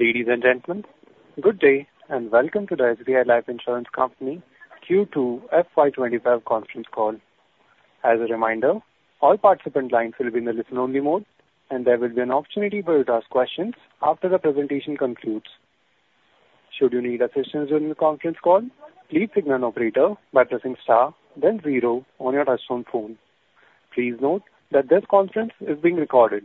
Ladies and gentlemen, good day, and welcome to the SBI Life Insurance Company Q2 FY25 conference call. As a reminder, all participant lines will be in the listen-only mode, and there will be an opportunity for you to ask questions after the presentation concludes. Should you need assistance during the conference call, please signal an operator by pressing star then zero on your touchtone phone. Please note that this conference is being recorded.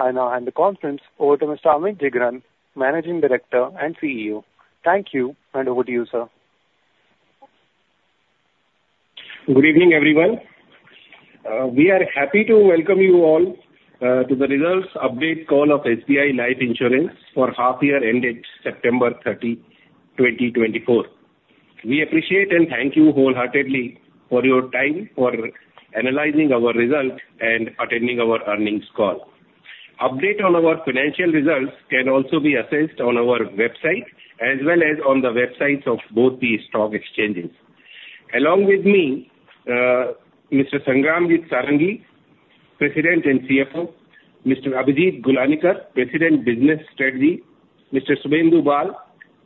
I now hand the conference over to Mr. Amit Jhingran, Managing Director and CEO. Thank you, and over to you, sir. Good evening, everyone. We are happy to welcome you all to the results update call of SBI Life Insurance for half year ended September thirty, twenty twenty-four. We appreciate and thank you wholeheartedly for your time, for analyzing our results and attending our earnings call. Update on our financial results can also be accessed on our website as well as on the websites of both the stock exchanges. Along with me, Mr. Sangramjit Sarangi, President and CFO, Mr. Abhijit Gulanikar, President Business Strategy, Mr. Subhendu Bal,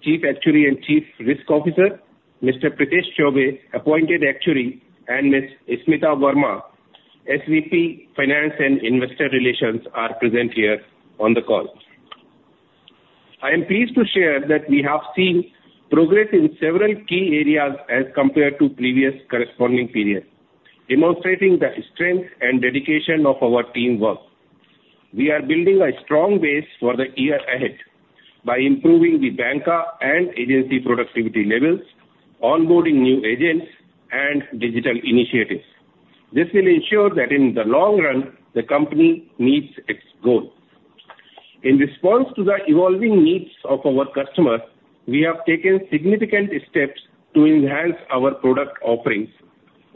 Chief Actuary and Chief Risk Officer, Mr. Prithesh Chaubey, Appointed Actuary, and Ms. Smita Verma, SVP, Finance and Investor Relations, are present here on the call. I am pleased to share that we have seen progress in several key areas as compared to previous corresponding periods, demonstrating the strength and dedication of our teamwork. We are building a strong base for the year ahead by improving the Banca and agency productivity levels, onboarding new agents, and digital initiatives. This will ensure that in the long run, the company meets its goal. In response to the evolving needs of our customers, we have taken significant steps to enhance our product offerings.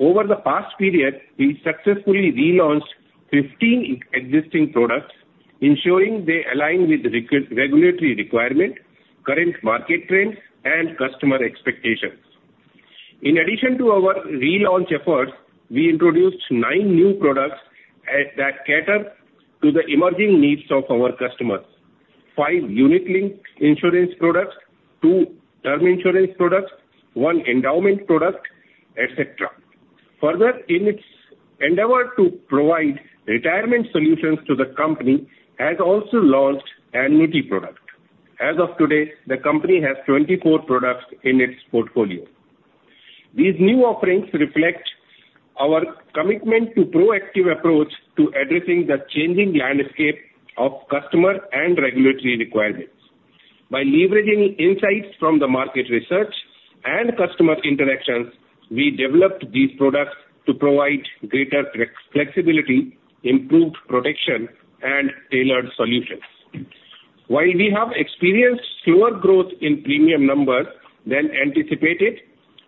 Over the past period, we successfully relaunched fifteen existing products, ensuring they align with regulatory requirements, current market trends, and customer expectations. In addition to our relaunch efforts, we introduced nine new products that cater to the emerging needs of our customers: five unit-linked insurance products, two term insurance products, one endowment product, et cetera. Further, in its endeavor to provide retirement solutions to the company, has also launched annuity product. As of today, the company has twenty-four products in its portfolio. These new offerings reflect our commitment to proactive approach to addressing the changing landscape of customer and regulatory requirements. By leveraging insights from the market research and customer interactions, we developed these products to provide greater flex, flexibility, improved protection, and tailored solutions. While we have experienced slower growth in premium numbers than anticipated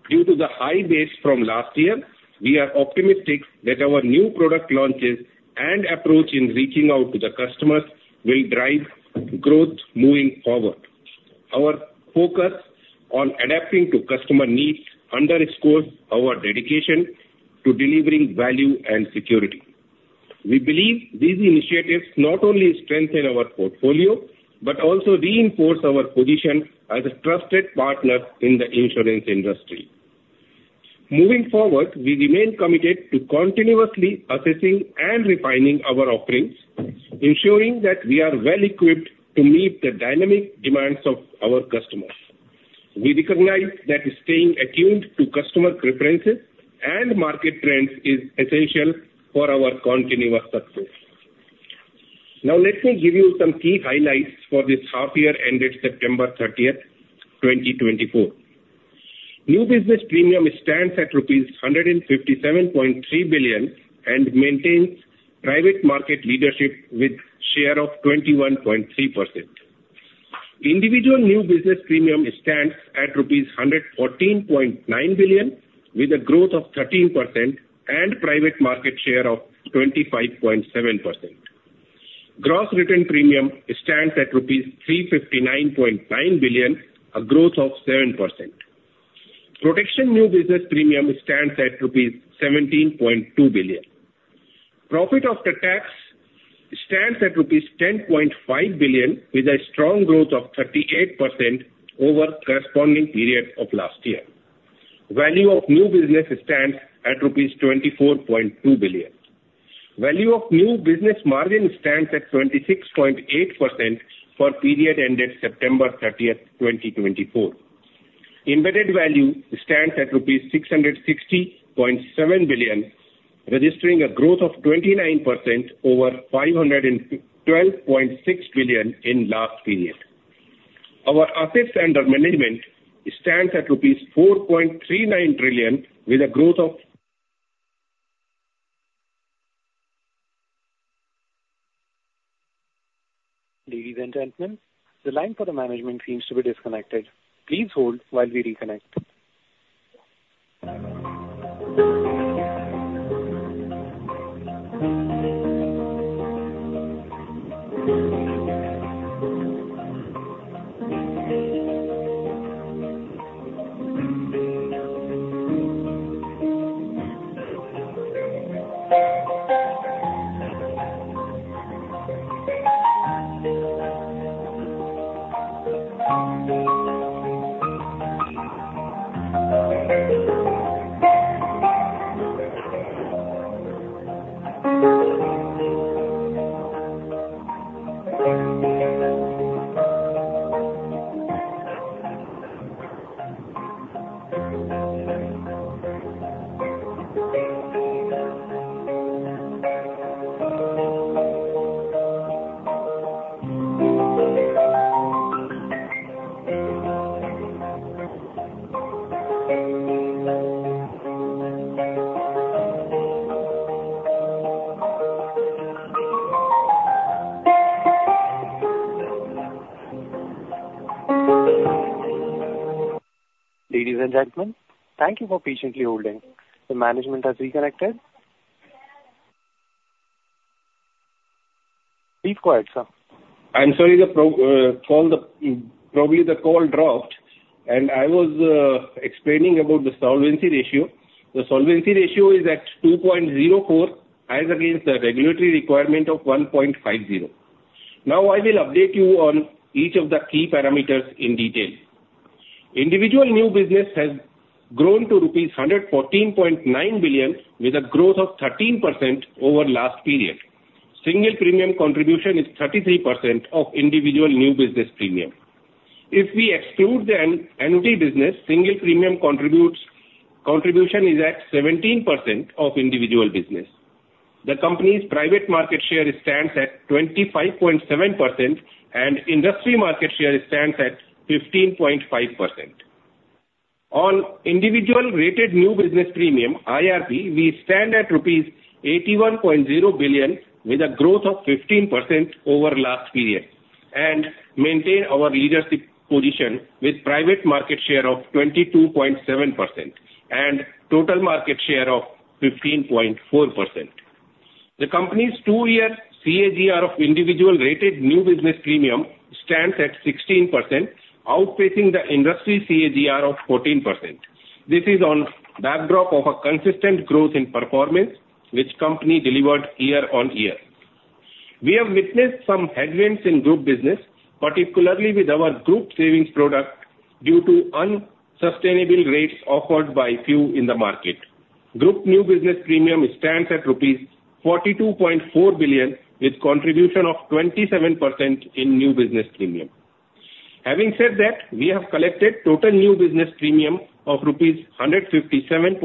due to the high base from last year, we are optimistic that our new product launches and approach in reaching out to the customers will drive growth moving forward. Our focus on adapting to customer needs underscores our dedication to delivering value and security. We believe these initiatives not only strengthen our portfolio, but also reinforce our position as a trusted partner in the insurance industry. Moving forward, we remain committed to continuously assessing and refining our offerings, ensuring that we are well-equipped to meet the dynamic demands of our customers. We recognize that staying attuned to customer preferences and market trends is essential for our continuous success. Now, let me give you some key highlights for this half year ended September 30th, 2024. New business premium stands at rupees 157.3 billion and maintains private market leadership with share of 21.3%. Individual new business premium stands at rupees 114.9 billion, with a growth of 13% and private market share of 25.7%. Gross written premium stands at rupees 359.9 billion, a growth of 7%. Protection new business premium stands at rupees 17.2 billion. Profit after tax stands at rupees 10.5 billion, with a strong growth of 38% over corresponding period of last year. Value of new business stands at rupees 24.2 billion. Value of new business margin stands at 26.8% for period ended September 30, 2024. Embedded value stands at rupees 660.7 billion, registering a growth of 29% over 512.6 billion in last period. Our assets under management stands at rupees 4.39 trillion, with a growth of- Ladies and gentlemen, the line for the management seems to be disconnected. Please hold while we reconnect. ... Ladies and gentlemen, thank you for patiently holding. The management has reconnected. Please go ahead, sir. I'm sorry, the call probably dropped, and I was explaining about the solvency ratio. The solvency ratio is at 2.04, as against the regulatory requirement of 1.50. Now, I will update you on each of the key parameters in detail. Individual new business has grown to rupees 114.9 billion, with a growth of 13% over last period. Single premium contribution is 33% of individual new business premium. If we exclude the annuity business, single premium contribution is at 17% of individual business. The company's private market share stands at 25.7%, and industry market share stands at 15.5%. On individual rated new business premium, IRNB, we stand at rupees 81.0 billion, with a growth of 15% over last period, and maintain our leadership position with private market share of 22.7% and total market share of 15.4%. The company's two-year CAGR of individual rated new business premium stands at 16%, outpacing the industry CAGR of 14%. This is on backdrop of a consistent growth in performance, which company delivered year on year. We have witnessed some headwinds in group business, particularly with our group savings product, due to unsustainable rates offered by few in the market. Group new business premium stands at rupees 42.4 billion, with contribution of 27% in new business premium. Having said that, we have collected total new business premium of rupees 157.3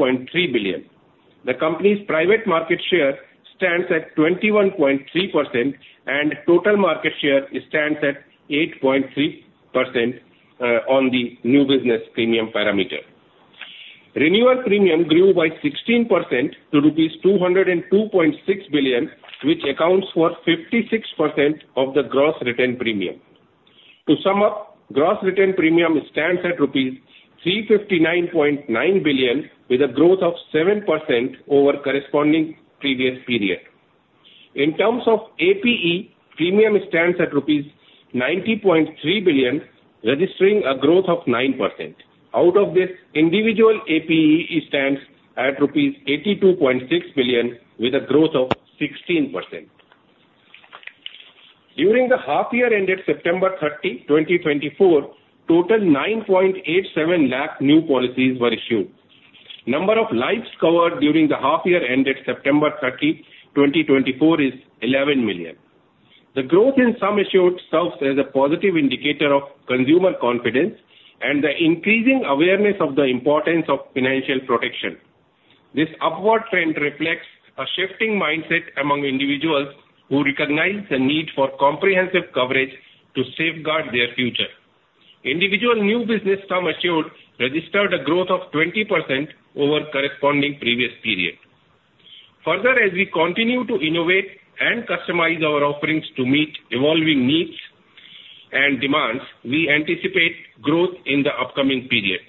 billion. The company's private market share stands at 21.3%, and total market share stands at 8.3%, on the new business premium parameter. Renewal premium grew by 16% to 202.6 billion rupees, which accounts for 56% of the gross written premium. To sum up, gross written premium stands at rupees 359.9 billion, with a growth of 7% over corresponding previous period. In terms of APE, premium stands at rupees 90.3 billion, registering a growth of 9%. Out of this, individual APE stands at rupees 82.6 billion, with a growth of 16%. During the half year ended September 30, 2024, total 9.87 lakh new policies were issued. Number of lives covered during the half year ended September 30, 2024, is 11 million. The growth in sum assured serves as a positive indicator of consumer confidence and the increasing awareness of the importance of financial protection. This upward trend reflects a shifting mindset among individuals who recognize the need for comprehensive coverage to safeguard their future. Individual new business sum assured registered a growth of 20% over corresponding previous period. Further, as we continue to innovate and customize our offerings to meet evolving needs and demands, we anticipate growth in the upcoming period.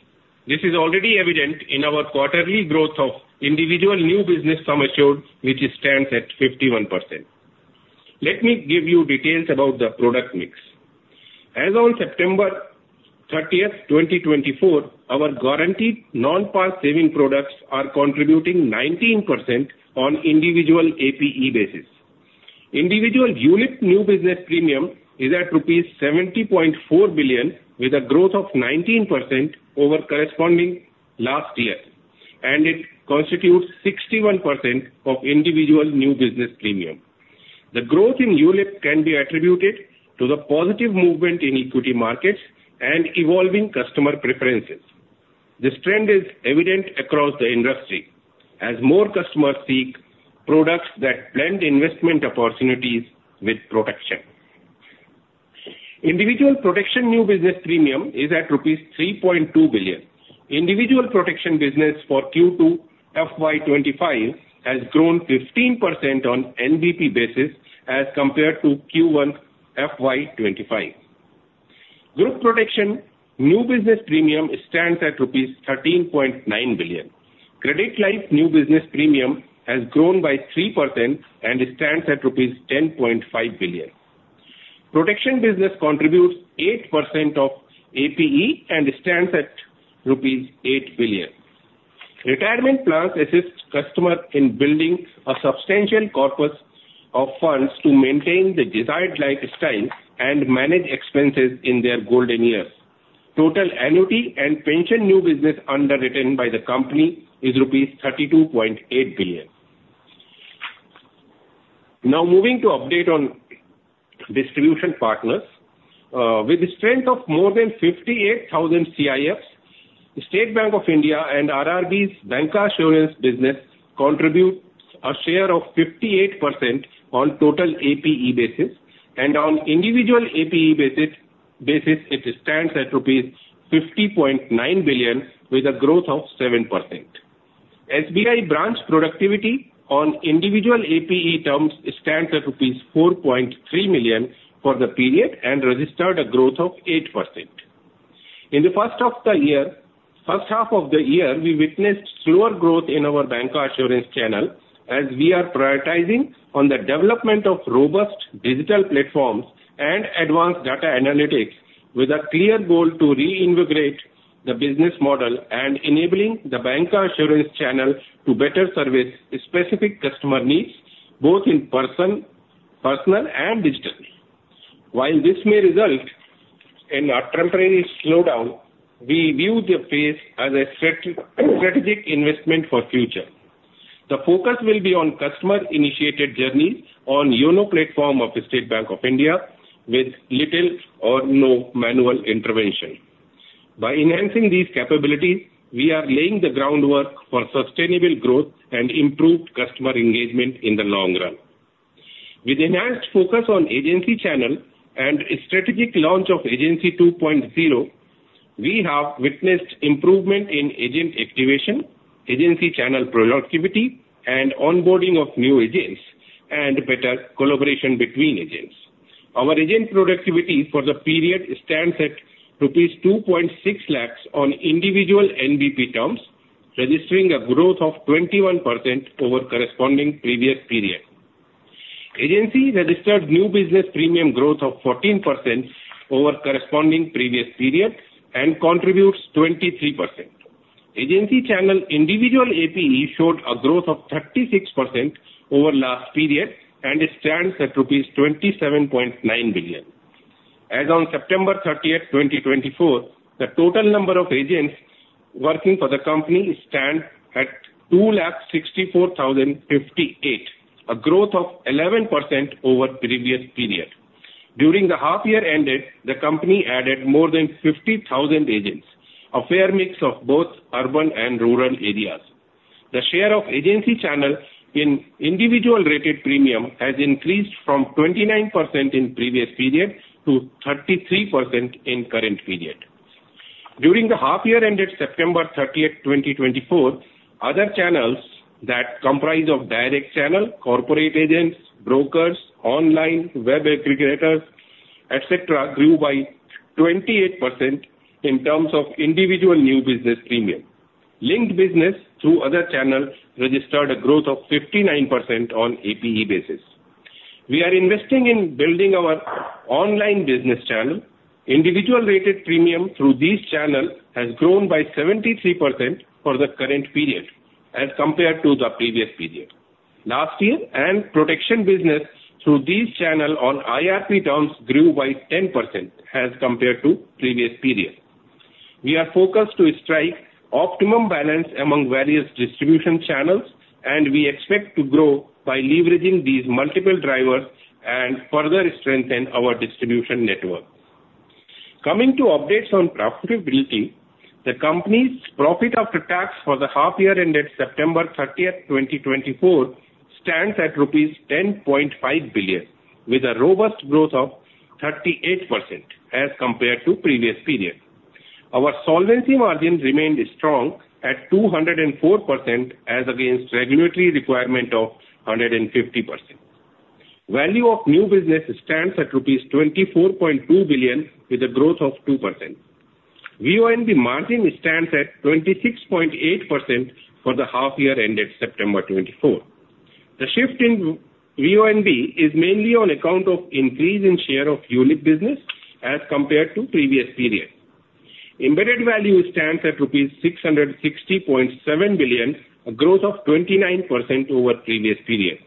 This is already evident in our quarterly growth of individual new business sum assured, which stands at 51%. Let me give you details about the product mix. As on September thirtieth, twenty twenty-four, our guaranteed non-par saving products are contributing 19% on individual APE basis. Individual unit new business premium is at rupees 70.4 billion, with a growth of 19% over corresponding last year, and it constitutes 61% of individual new business premium. The growth in ULIP can be attributed to the positive movement in equity markets and evolving customer preferences. This trend is evident across the industry as more customers seek products that blend investment opportunities with protection. Individual protection new business premium is at INR 3.2 billion. Individual protection business for Q2 FY25 has grown 15% on NBP basis as compared to Q1 FY25. Group protection new business premium stands at rupees 13.9 billion. Credit Life new business premium has grown by 3% and stands at rupees 10.5 billion. Protection business contributes 8% of APE and stands at rupees 8 billion. Retirement plans assist customers in building a substantial corpus of funds to maintain the desired lifestyle and manage expenses in their golden years. Total annuity and pension new business underwritten by the company is rupees 32.8 billion. Now moving to update on distribution partners. With the strength of more than 58,000 CIFs, the State Bank of India and RRB's bancassurance business contributes a share of 58% on total APE basis, and on individual APE basis, it stands at rupees 50.9 billion with a growth of 7%. SBI branch productivity on individual APE terms stands at rupees 4.3 million for the period and registered a growth of 8%. In the first half of the year, we witnessed slower growth in our bancassurance channel as we are prioritizing on the development of robust digital platforms and advanced data analytics, with a clear goal to reinvigorate the business model and enabling the bancassurance channel to better service specific customer needs, both in person, personal and digital. While this may result in a temporary slowdown, we view the pace as a strategic investment for future. The focus will be on customer-initiated journey on YONO platform of the State Bank of India, with little or no manual intervention. By enhancing these capabilities, we are laying the groundwork for sustainable growth and improved customer engagement in the long run. With enhanced focus on agency channel and strategic launch of Agency 2.0, we have witnessed improvement in agent activation, agency channel productivity and onboarding of new agents, and better collaboration between agents. Our agent productivity for the period stands at rupees 2.6 lakhs on individual NBP terms, registering a growth of 21% over corresponding previous period. Agency registered new business premium growth of 14% over corresponding previous period and contributes 23%. Agency channel individual APE showed a growth of 36% over last period and it stands at rupees 27.9 billion. As on September 30, 2024, the total number of agents working for the company stands at 264,058, a growth of 11% over previous period. During the half year ended, the company added more than 50,000 agents, a fair mix of both urban and rural areas. The share of agency channel in individual rated premium has increased from 29% in previous period to 33% in current period. During the half year ended September 30th, 2024, other channels that comprise of direct channel, corporate agents, brokers, online, web aggregators, et cetera, grew by 28% in terms of individual new business premium. Linked business through other channels registered a growth of 59% on APE basis. We are investing in building our online business channel. Individual rated premium through this channel has grown by 73% for the current period as compared to the previous period. Last year, and protection business through this channel on IRP terms grew by 10% as compared to previous period. We are focused to strike optimum balance among various distribution channels, and we expect to grow by leveraging these multiple drivers and further strengthen our distribution network. Coming to updates on profitability, the company's profit after tax for the half year ended September thirtieth, 2024, stands at rupees 10.5 billion, with a robust growth of 38% as compared to previous period. Our solvency margin remained strong at 204%, as against regulatory requirement of 150%. Value of new business stands at rupees 24.2 billion, with a growth of 2%. VNB margin stands at 26.8% for the half year ended September 2024. The shift in VNB is mainly on account of increase in share of ULIP business as compared to previous period. Embedded value stands at rupees 660.7 billion, a growth of 29% over previous period.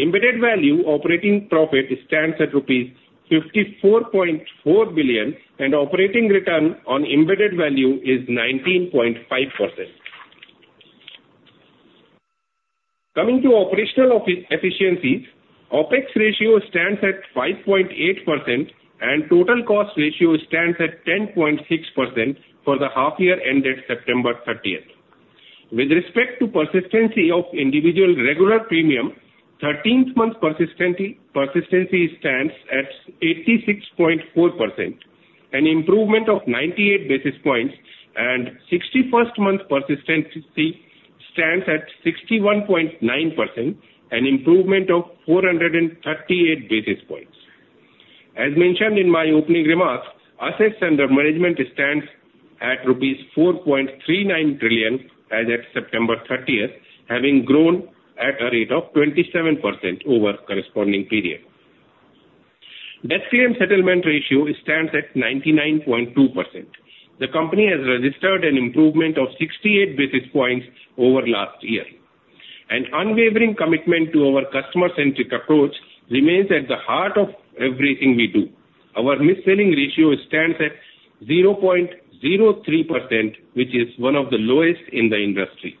Embedded value operating profit stands at rupees 54.4 billion, and operating return on embedded value is 19.5%. Coming to operational efficiencies, OpEx ratio stands at 5.8%, and total cost ratio stands at 10.6% for the half year ended September thirtieth. With respect to persistency of individual regular premium, thirteenth month persistency stands at 86.4%, an improvement of ninety-eight basis points, and sixty-first month persistency stands at 61.9%, an improvement of four hundred and thirty-eight basis points. As mentioned in my opening remarks, assets under management stands at rupees 4.39 trillion as at September thirtieth, having grown at a rate of 27% over corresponding period. Death claim settlement ratio stands at 99.2%. The company has registered an improvement of 68 basis points over last year. An unwavering commitment to our customer-centric approach remains at the heart of everything we do. Our misselling ratio stands at 0.03%, which is one of the lowest in the industry.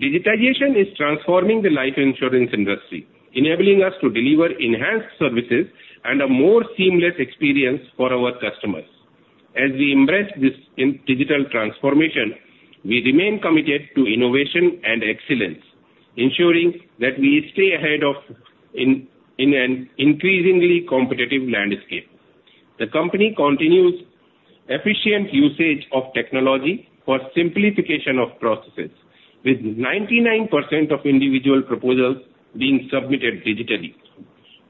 Digitization is transforming the life insurance industry, enabling us to deliver enhanced services and a more seamless experience for our customers. As we embrace this digital transformation, we remain committed to innovation and excellence, ensuring that we stay ahead in an increasingly competitive landscape. The company continues efficient usage of technology for simplification of processes, with 99% of individual proposals being submitted digitally.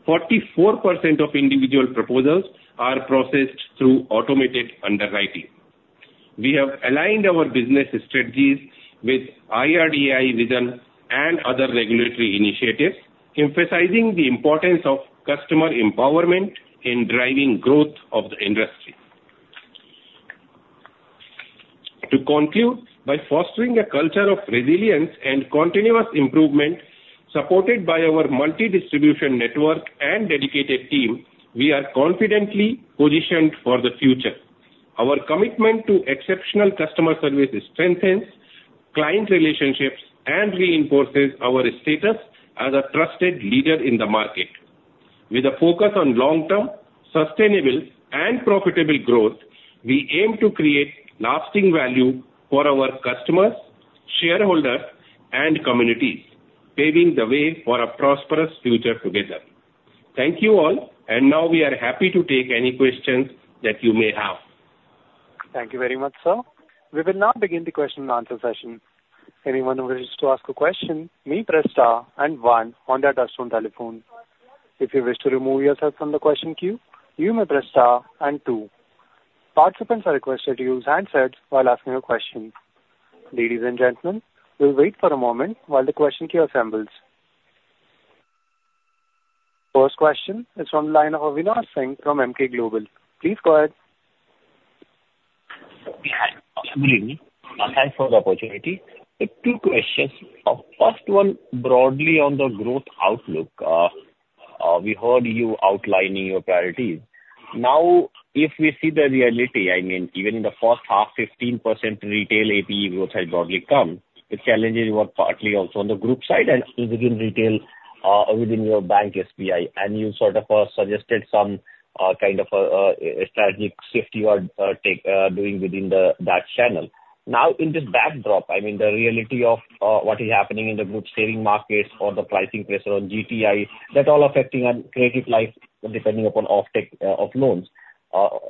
44% of individual proposals are processed through automated underwriting. We have aligned our business strategies with IRDAI vision and other regulatory initiatives, emphasizing the importance of customer empowerment in driving growth of the industry. To conclude, by fostering a culture of resilience and continuous improvement, supported by our multi-distribution network and dedicated team, we are confidently positioned for the future. Our commitment to exceptional customer service strengthens client relationships and reinforces our status as a trusted leader in the market. With a focus on long-term, sustainable and profitable growth, we aim to create lasting value for our customers, shareholders, and communities, paving the way for a prosperous future together. Thank you all, and now we are happy to take any questions that you may have. Thank you very much, sir. We will now begin the question and answer session. Anyone who wishes to ask a question, may press star and one on their touchtone telephone. If you wish to remove yourself from the question queue, you may press star and two. Participants are requested to use handsets while asking a question. Ladies and gentlemen, we'll wait for a moment while the question queue assembles. First question is from the line of Avinash Singh from Emkay Global. Please go ahead. Good morning, and thanks for the opportunity. Two questions. First one, broadly on the growth outlook. We heard you outlining your priorities. Now, if we see the reality, I mean, even in the first half, 15% retail APE growth has broadly come. The challenges were partly also on the group side and still within retail, within your bank, SBI. And you sort of suggested some kind of strategic safety or take doing within that channel. Now, in this backdrop, I mean, the reality of what is happening in the group saving markets or the pricing pressure on GTI, that all affecting and credit life, depending upon offtake of loans,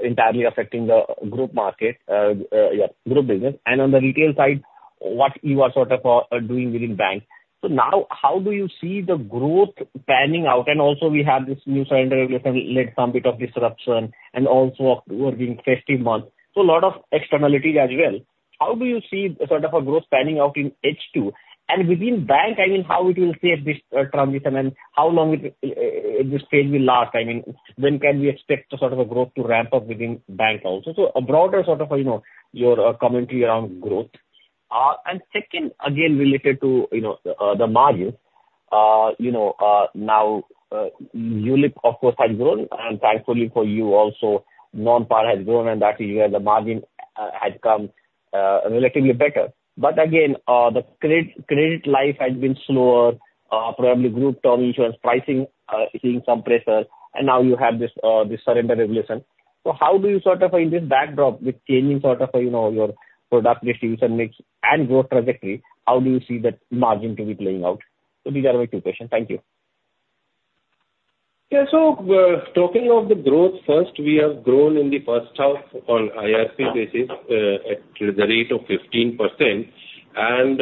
entirely affecting the group market, yeah, group business. And on the retail side, what you are sort of doing within bank. So now, how do you see the growth panning out? And also we have this new surrender regulation led to some bit of disruption and also we're in the festive month, so a lot of externalities as well. How do you see sort of a growth panning out in H2? And within bank, I mean, how it will stay at this transition and how long this phase will last? I mean, when can we expect a sort of a growth to ramp up within bank also? So a broader sort of, you know, your commentary around growth. And second, again, related to, you know, the margin. You know, now, ULIP, of course, has grown, and thankfully for you also, non-par has grown, and that is where the margin has come relatively better. But again, the credit life has been slower, probably group term insurance pricing seeing some pressure, and now you have this surrender regulation. So how do you sort of in this backdrop with changing sort of, you know, your product mix and growth trajectory, how do you see that margin to be playing out? So these are my two questions. Thank you. Yeah. So, talking of the growth, first, we have grown in the first half on IRNB basis at the rate of 15%. And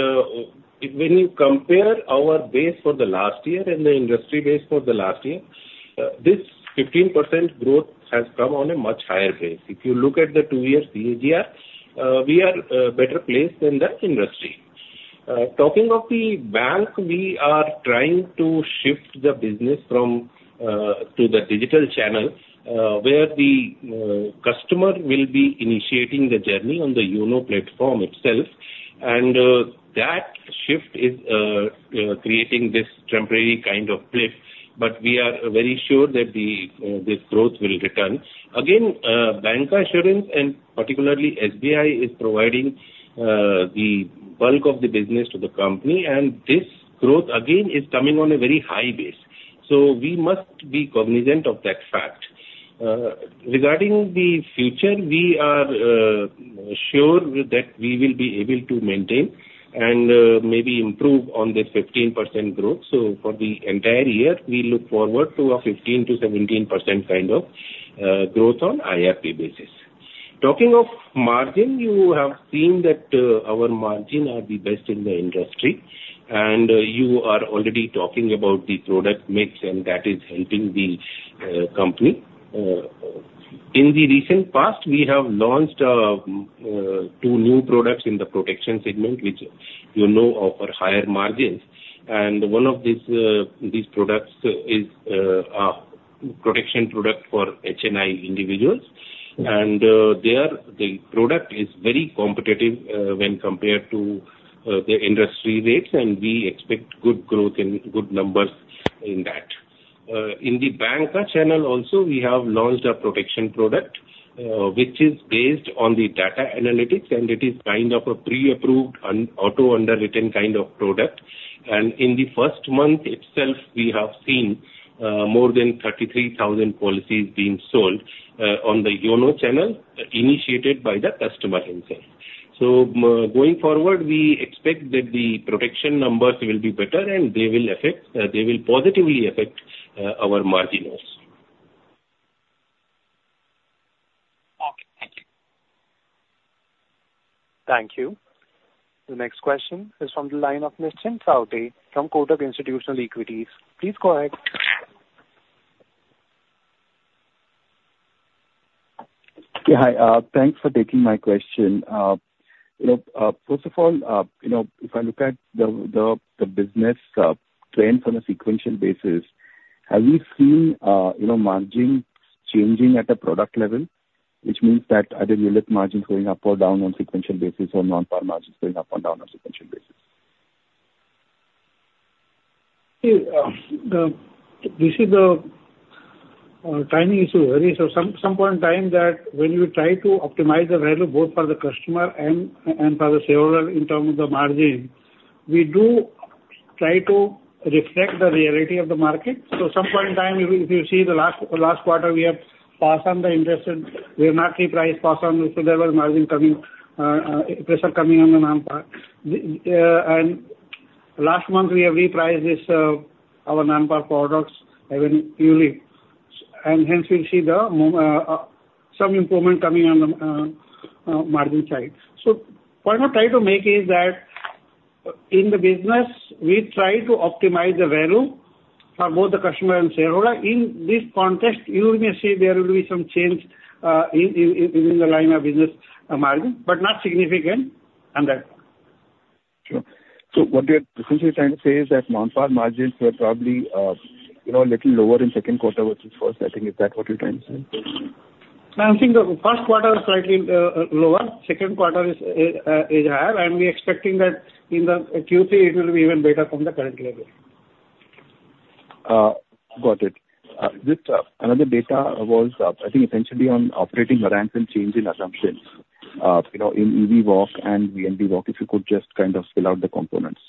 when you compare our base for the last year and the industry base for the last year, this 15% growth has come on a much higher base. If you look at the two-year CAGR, we are better placed than the industry. Talking of the bank, we are trying to shift the business from to the digital channel, where the customer will be initiating the journey on the YONO platform itself. And that shift is creating this temporary kind of cliff, but we are very sure that this growth will return. Again, bancassurance, and particularly SBI, is providing, the bulk of the business to the company, and this growth again, is coming on a very high base. So we must be cognizant of that fact. Regarding the future, we are, sure that we will be able to maintain and, maybe improve on this 15% growth. So for the entire year, we look forward to a 15%-17% kind of, growth on IRNB basis. Talking of margin, you have seen that, our margin are the best in the industry.... and you are already talking about the product mix and that is helping the company. In the recent past, we have launched two new products in the protection segment, which you know offer higher margins, and one of these products is a protection product for HNI individuals. And there the product is very competitive when compared to the industry rates, and we expect good growth and good numbers in that. In the Banca channel also, we have launched a protection product which is based on the data analytics, and it is kind of a pre-approved and auto underwritten kind of product. And in the first month itself, we have seen more than thirty-three thousand policies being sold on the YONO channel, initiated by the customer himself. So, moving forward, we expect that the protection numbers will be better and they will affect, they will positively affect our margins. Okay. Thank you. Thank you. The next question is from the line of Nischint Chawathe from Kotak Institutional Equities. Please go ahead. Yeah, hi. Thanks for taking my question. You know, first of all, you know, if I look at the business trends on a sequential basis, have you seen, you know, margins changing at a product level? Which means that either ULIP margins going up or down on sequential basis or non-par margins going up or down on sequential basis. See, this is the timing issue, really. So some point in time that when you try to optimize the value both for the customer and, and for the shareholder in terms of the margin, we do try to reflect the reality of the market. So some point in time, if you see the last quarter, we have passed on the interest and we have not repriced passed on, so there was margin coming, pressure coming on the non-par. And last month we have repriced this, our non-par products, I mean, yearly, and hence we'll see some improvement coming on the margin side. So what I'm trying to make is that, in the business, we try to optimize the value for both the customer and shareholder. In this context, you may see there will be some change in the line of business margin, but not significant on that one. Sure. So what you're essentially trying to say is that non-par margins were probably, you know, a little lower in second quarter versus first. I think, is that what you're trying to say? I think the first quarter is slightly lower. Second quarter is higher, and we're expecting that in the Q3 it will be even better from the current level. Got it. Just another data was, I think, essentially on operating variance and change in assumptions. You know, in EV WOC and VNB WOC, if you could just kind of spell out the components.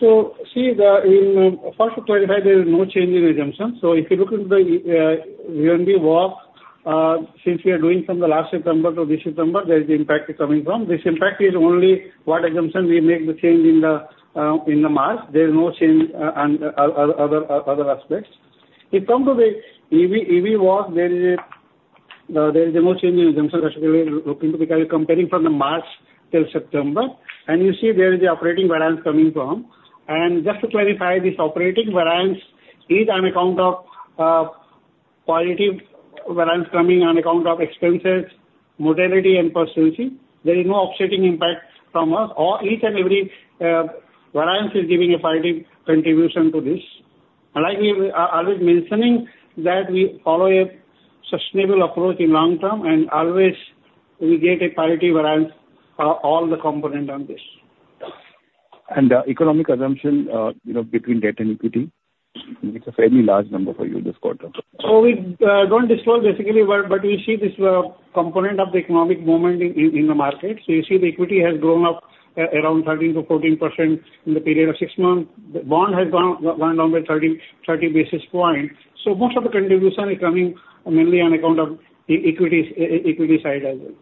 See the in first quarter, there is no change in assumption. If you look into the VNB WOC, since we are doing from the last September to this September, there is the impact coming from. This impact is only what assumption we make the change in the in the math. There is no change on other aspects. If come to the EV EV WOC, there is no change in assumption, especially we are looking to be comparing from the March till September. You see where the operating variance coming from. Just to clarify, this operating variance is on account of positive variance coming on account of expenses, mortality, and persistency. There is no offsetting impact from us, or each and every variance is giving a positive contribution to this. Like we are always mentioning, that we follow a sustainable approach in long term, and always we get a positive variance for all the component on this. The economic assumption, you know, between debt and equity, it's a fairly large number for you this quarter. We don't disclose basically, but we see this component of the economic movement in the market. You see the equity has grown up around 13-14% in the period of six months. The bond has gone down by 30 basis points. Most of the contribution is coming mainly on account of the equities, equity side as well.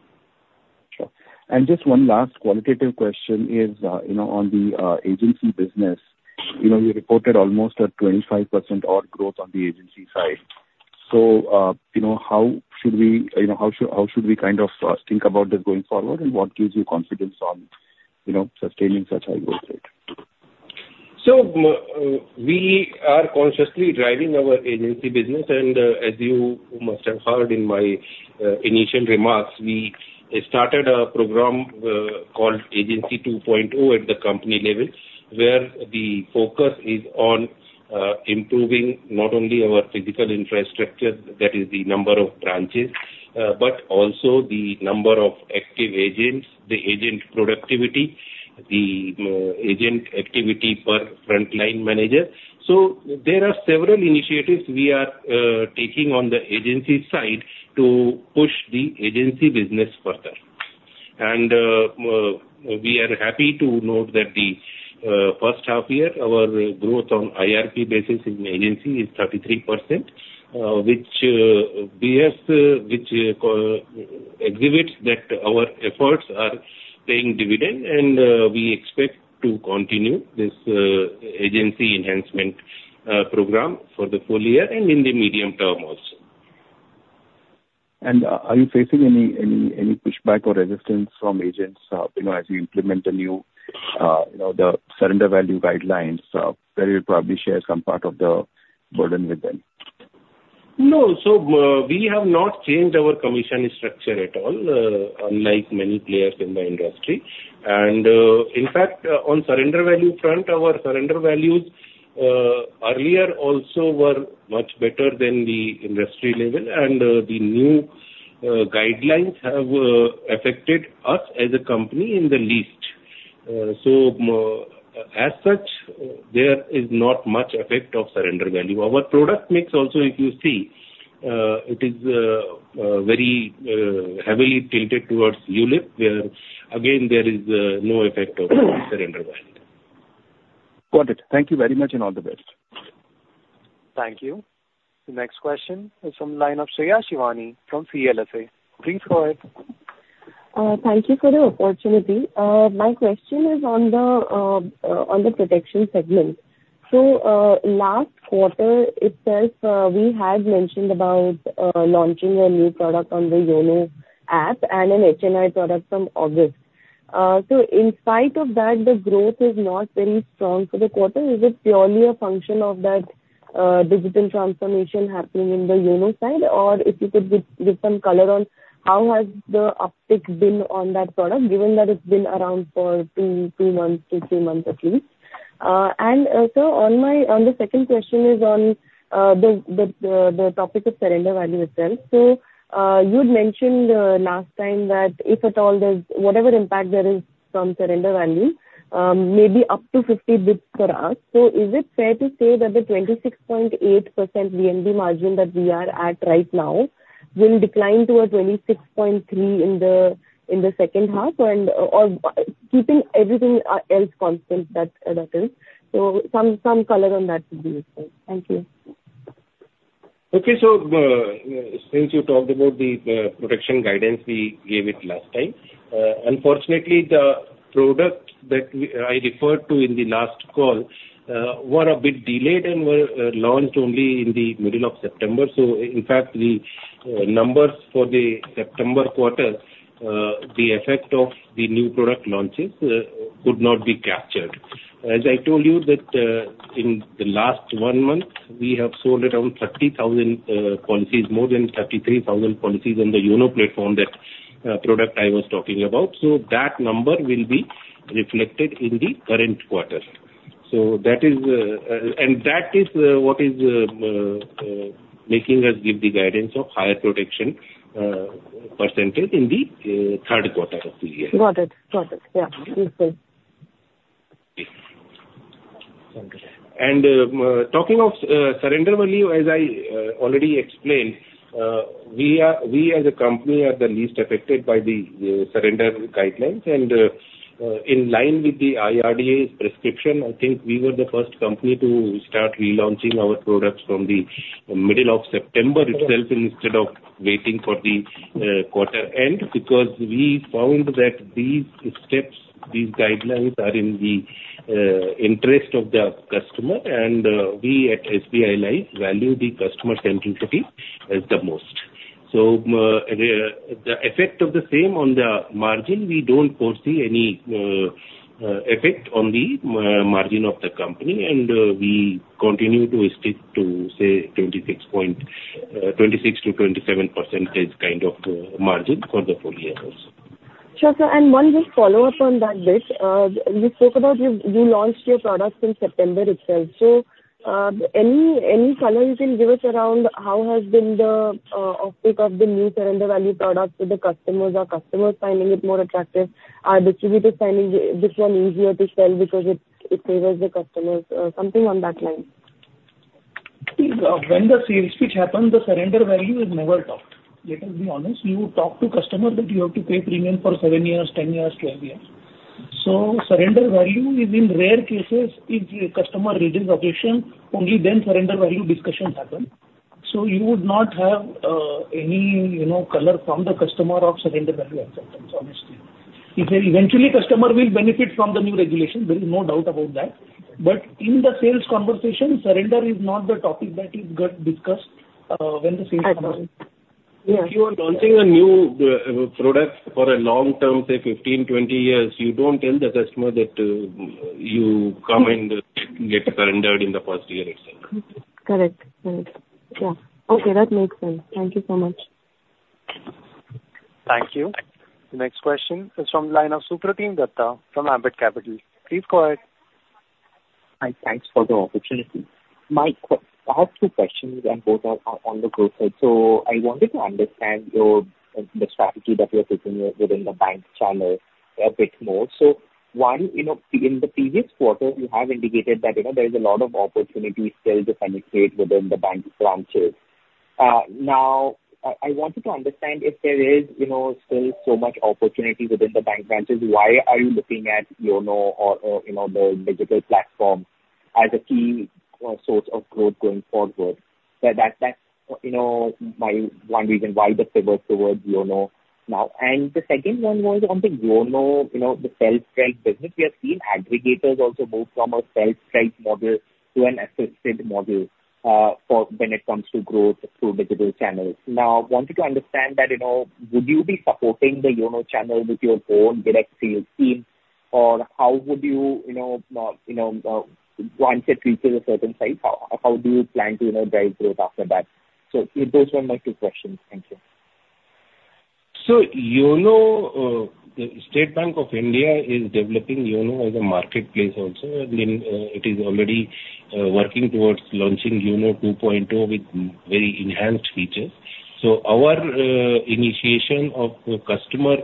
Sure. And just one last qualitative question is, you know, on the agency business. You know, you reported almost a 25% odd growth on the agency side. So, you know, how should we, you know, how should we kind of think about this going forward, and what gives you confidence on, you know, sustaining such high growth rate? We are consciously driving our agency business, and as you must have heard in my initial remarks, we started a program called Agency 2.0 at the company level. The focus is on improving not only our physical infrastructure, that is the number of branches, but also the number of active agents, the agent productivity, the agent activity per frontline manager. There are several initiatives we are taking on the agency side to push the agency business further. We are happy to note that the first half-year, our growth on IRNB basis in agency is 33%, which exhibits that our efforts are paying dividends. We expect to continue this agency enhancement program for the full year and in the medium term also.... Are you facing any pushback or resistance from agents, you know, as you implement the new, you know, the surrender value guidelines, where you'll probably share some part of the burden with them? No. So, we have not changed our commission structure at all, unlike many players in the industry, and in fact, on surrender value front, our surrender values earlier also were much better than the industry level, and the new guidelines have affected us as a company in the least, so as such, there is not much effect of surrender value. Our product mix also, if you see, it is very heavily tilted towards ULIP, where again, there is no effect of surrender value. Got it. Thank you very much, and all the best. Thank you. The next question is from the line of Shreya Shivani from CLSA. Please go ahead. Thank you for the opportunity. My question is on the protection segment. So, last quarter itself, we had mentioned about launching a new product on the YONO app and an HNI product from August. So in spite of that, the growth is not very strong for the quarter. Is it purely a function of that digital transformation happening in the YONO side? Or if you could give some color on how has the uptick been on that product, given that it's been around for two months to three months at least. And also, on my second question is on the topic of surrender value itself. So, you'd mentioned last time that if at all there's whatever impact there is from surrender value, maybe up to 50 basis points. So is it fair to say that the 26.8% VNB margin that we are at right now will decline to a 26.3 in the second half? And or keeping everything else constant, that is. So some color on that would be useful. Thank you. Okay, so since you talked about the protection guidance we gave it last time. Unfortunately, the product that I referred to in the last call were a bit delayed and were launched only in the middle of September. So in fact, the numbers for the September quarter, the effect of the new product launches could not be captured. As I told you that in the last one month, we have sold around 30,000 policies, more than 33,000 policies on the Yono platform, that product I was talking about. So that number will be reflected in the current quarter. So that is what is making us give the guidance of higher protection percentage in the third quarter of the year. Got it. Got it. Yeah, it's good. Talking of surrender value, as I already explained, we are, we as a company are the least affected by the surrender guidelines. In line with the IRDAI's prescription, I think we were the first company to start relaunching our products from the middle of September itself, instead of waiting for the quarter end. Because we found that these steps, these guidelines, are in the interest of the customer, and we at SBI Life value the customer centricity as the most. So, the effect of the same on the margin, we don't foresee any effect on the margin of the company, and we continue to stick to, say, 26.26%-27% kind of margin for the full year also. Sure, sir, and one just follow up on that bit. You spoke about you launched your products in September itself. So, any color you can give us around how has been the uptake of the new surrender value product with the customers? Are customers finding it more attractive? Are distributors finding this one easier to sell because it favors the customers? Something on that line. When the sales pitch happens, the surrender value is never talked. Let us be honest, you talk to customer that you have to pay premium for seven years, ten years, twelve years. So surrender value is in rare cases, if a customer raises objection, only then surrender value discussion happens. So you would not have any, you know, color from the customer of surrender value as such, honestly. If eventually customer will benefit from the new regulation, there is no doubt about that. But in the sales conversation, surrender is not the topic that is get discussed, when the sales come in. I got it. Yeah. If you are launching a new product for a long term, say fifteen, twenty years, you don't tell the customer that you come and get surrendered in the first year itself. Correct. Correct. Yeah. Okay, that makes sense. Thank you so much. Thank you. The next question is from the line of Supratim Datta from Ambit Capital. Please go ahead. Hi, thanks for the opportunity. I have two questions, and both are on the growth side. So I wanted to understand your the strategy that you're taking within the bank channel a bit more. So one, you know, in the previous quarter, you have indicated that, you know, there is a lot of opportunity still to penetrate within the bank branches. Now, I wanted to understand if there is, you know, still so much opportunity within the bank branches, why are you looking at YONO or, you know, the digital platform as a key source of growth going forward? So that's, you know, my one reason why the pivot towards YONO now. And the second one was on the YONO, you know, the self-drive business. We have seen aggregators also move from a self-drive model to an assisted model for when it comes to growth through digital channels. Now, I wanted to understand that, you know, would you be supporting the YONO channel with your own direct sales team? Or how would you, you know, you know, once it reaches a certain size, how do you plan to, you know, drive growth after that? So those were my two questions. Thank you. So YONO, the State Bank of India is developing YONO as a marketplace also. I mean, it is already working towards launching YONO two point two with very enhanced features. So our initiation of customer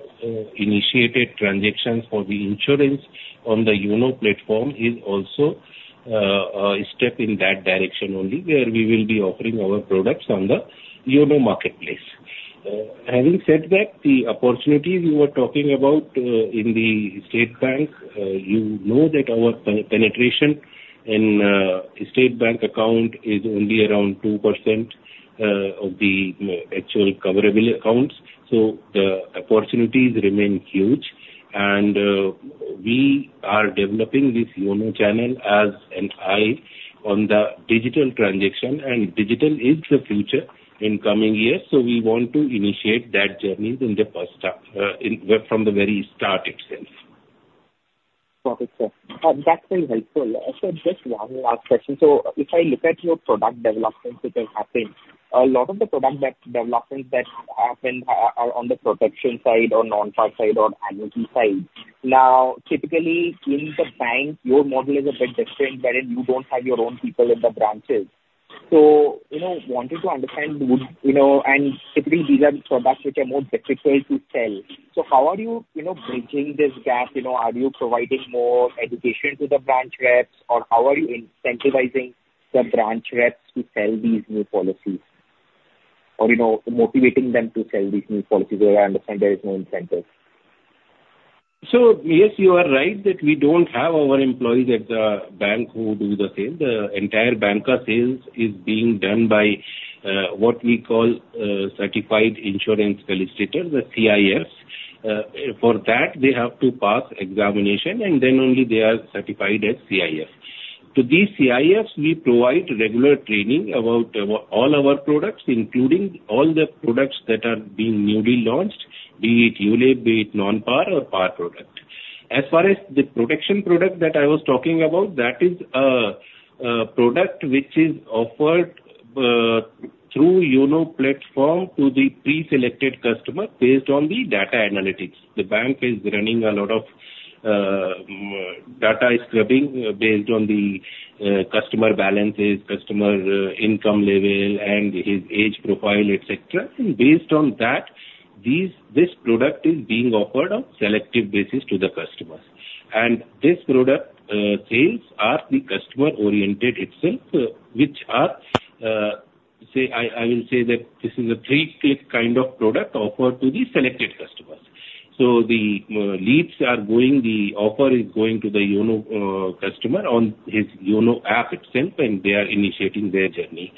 initiated transactions for the insurance on the YONO platform is also a step in that direction only, where we will be offering our products on the YONO marketplace. Having said that, the opportunities you are talking about in the State Bank, you know that our penetration in State Bank account is only around 2% of the actual coverable accounts. So the opportunities remain huge, and we are developing this YONO channel as an eye on the digital transaction, and digital is the future in coming years, so we want to initiate that journey from the very start itself. Got it, sir. That's been helpful. Sir, just one last question. So if I look at your product developments that has happened, a lot of the product developments that happened are on the protection side or non-par side or agency side. Now, typically, in the bank, your model is a bit different, wherein you don't have your own people in the branches. So, you know, wanted to understand, would you know, and typically these are products which are more difficult to sell. So how are you, you know, bridging this gap, you know? Are you providing more education to the branch reps, or how are you incentivizing the branch reps to sell these new policies, or, you know, motivating them to sell these new policies, where I understand there is no incentives? So yes, you are right, that we don't have our employees at the bank who do the sale. The entire Banca sales is being done by what we call certified insurance solicitors, the CIS. For that, they have to pass examination, and then only they are certified as CIS. To these CIS, we provide regular training about our all our products, including all the products that are being newly launched, be it ULIP, be it non-par or par product. As far as the protection product that I was talking about, that is a product which is offered through YONO platform to the preselected customer based on the data analytics. The bank is running a lot of data scrubbing based on the customer balances, customer income level, and his age profile, et cetera. Based on that, this product is being offered on selective basis to the customers. This product sales are the customer-oriented itself, which are, I will say that this is a three-stage kind of product offered to the selected customers. The leads are going, the offer is going to the YONO customer on his YONO app itself, and they are initiating their journey.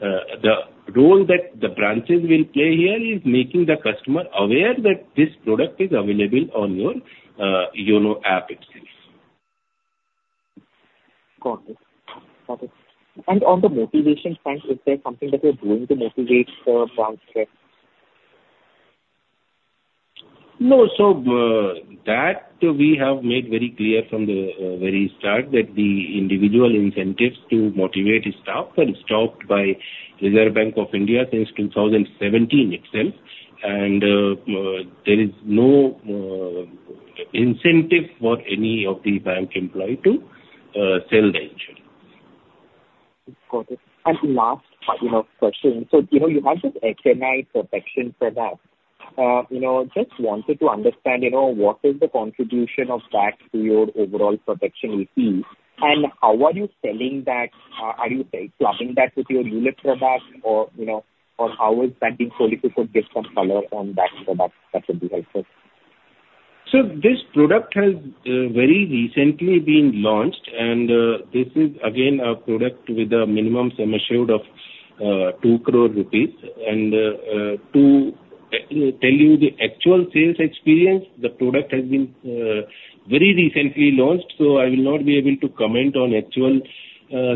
The role that the branches will play here is making the customer aware that this product is available on your YONO app itself. Got it. Got it. And on the motivation front, is there something that you're doing to motivate the branch reps? No. So, that we have made very clear from the very start, that the individual incentives to motivate staff were stopped by Reserve Bank of India since 2017 itself, and there is no incentive for any of the bank employee to sell the insurance. Got it, and the last, you know, question. You know, you have this HNI protection product. Just wanted to understand, you know, what is the contribution of that to your overall protection mix, and how are you selling that? Are you clubbing that with your ULIP product or, you know, or how is that being sold? If you could give some color on that product, that would be helpful. So this product has very recently been launched, and this is again a product with a minimum sum assured of two crore rupees. And to tell you the actual sales experience, the product has been very recently launched, so I will not be able to comment on actual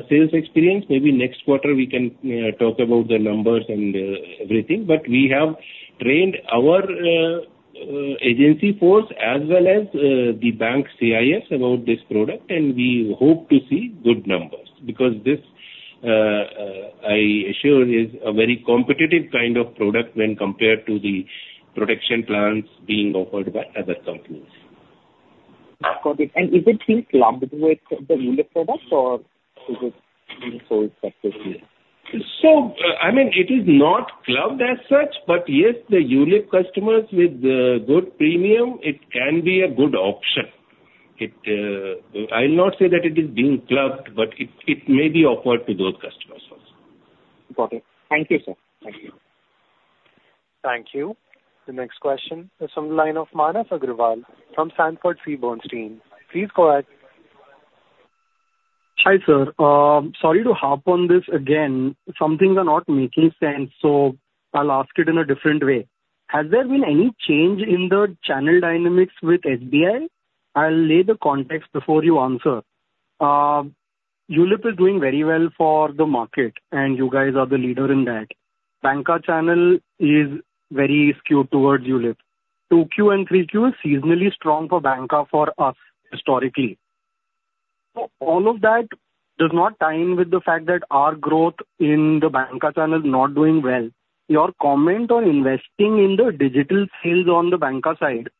sales experience. Maybe next quarter we can talk about the numbers and everything. But we have trained our agency force as well as the bank's CIS about this product, and we hope to see good numbers. Because this I assure is a very competitive kind of product when compared to the protection plans being offered by other companies. Got it. And is it being clubbed with the ULIP products or is it being sold separately? So, I mean, it is not clubbed as such, but yes, the ULIP customers with good premium, it can be a good option. It, I'll not say that it is being clubbed, but it may be offered to those customers also. Got it. Thank you, sir. Thank you. Thank you. The next question is from the line of Manas Agarwal from Sanford C. Bernstein. Please go ahead. Hi, sir. Sorry to harp on this again. Some things are not making sense, so I'll ask it in a different way. Has there been any change in the channel dynamics with SBI? I'll lay the context before you answer. ULIP is doing very well for the market, and you guys are the leader in that. Banca channel is very skewed towards ULIP. 2Q and 3Q is seasonally strong for Banca, for us, historically. So all of that does not tie in with the fact that our growth in the Banca channel is not doing well. Your comment on investing in the digital sales on the Banca side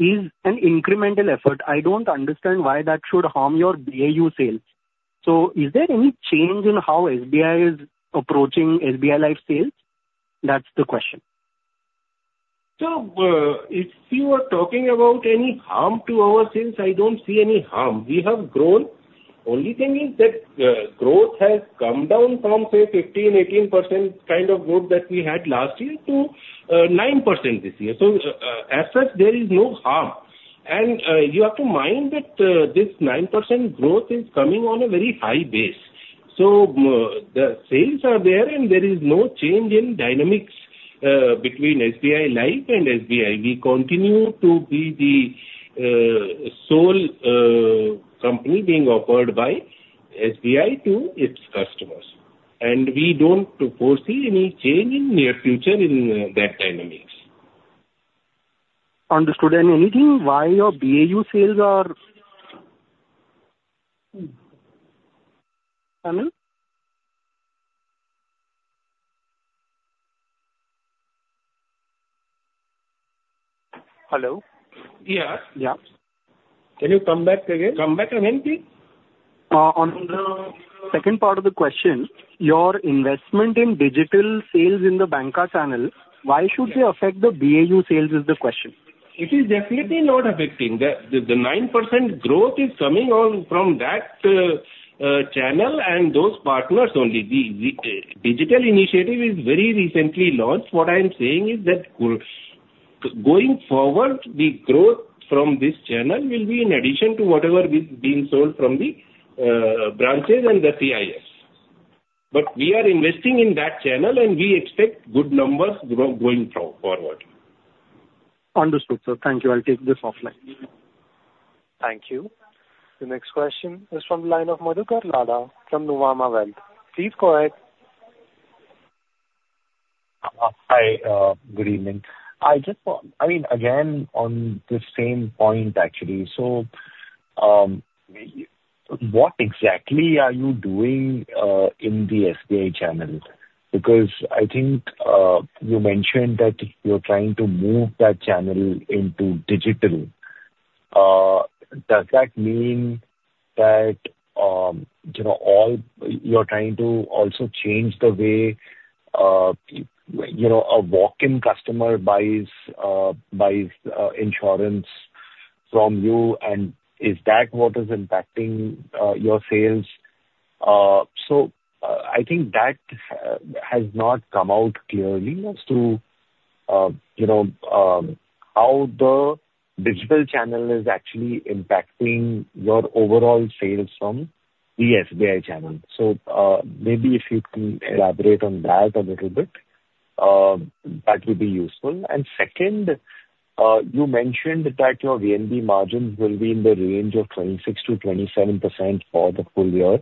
is an incremental effort. I don't understand why that should harm your BAU sales. So is there any change in how SBI is approaching SBI Life sales? That's the question. So, if you are talking about any harm to our sales, I don't see any harm. We have grown. Only thing is that, growth has come down from, say, 15-18% kind of growth that we had last year to, 9% this year. So, as such, there is no harm. And, you have to mind that, this 9% growth is coming on a very high base. So, the sales are there, and there is no change in dynamics, between SBI Life and SBI. We continue to be the, sole, company being offered by SBI to its customers, and we don't foresee any change in near future in, that dynamics. Understood. And anything why your BAU sales are-- I mean? Hello? Yeah. Yeah. Can you come back again? Come back on anything? On the second part of the question, your investment in digital sales in the Banca channel, why should they affect the BAU sales, is the question. It is definitely not affecting. The 9% growth is coming on from that channel and those partners only. The digital initiative is very recently launched. What I'm saying is that going forward, the growth from this channel will be in addition to whatever is being sold from the branches and the CIS. But we are investing in that channel, and we expect good numbers going forward. Understood, sir. Thank you. I'll take this offline. Thank you. The next question is from the line of Madhukar Ladha from Nuvama Wealth. Please go ahead. Hi, good evening. I mean, again, on the same point, actually. So, what exactly are you doing in the SBI channel? Because I think you mentioned that you're trying to move that channel into digital. Does that mean that, you know, you are trying to also change the way, you know, a walk-in customer buys insurance from you, and is that what is impacting your sales? So, I think that has not come out clearly as to, you know, how the digital channel is actually impacting your overall sales from the SBI channel. So, maybe if you can elaborate on that a little bit, that would be useful. Second, you mentioned that your VNB margins will be in the range of 26%-27% for the full year.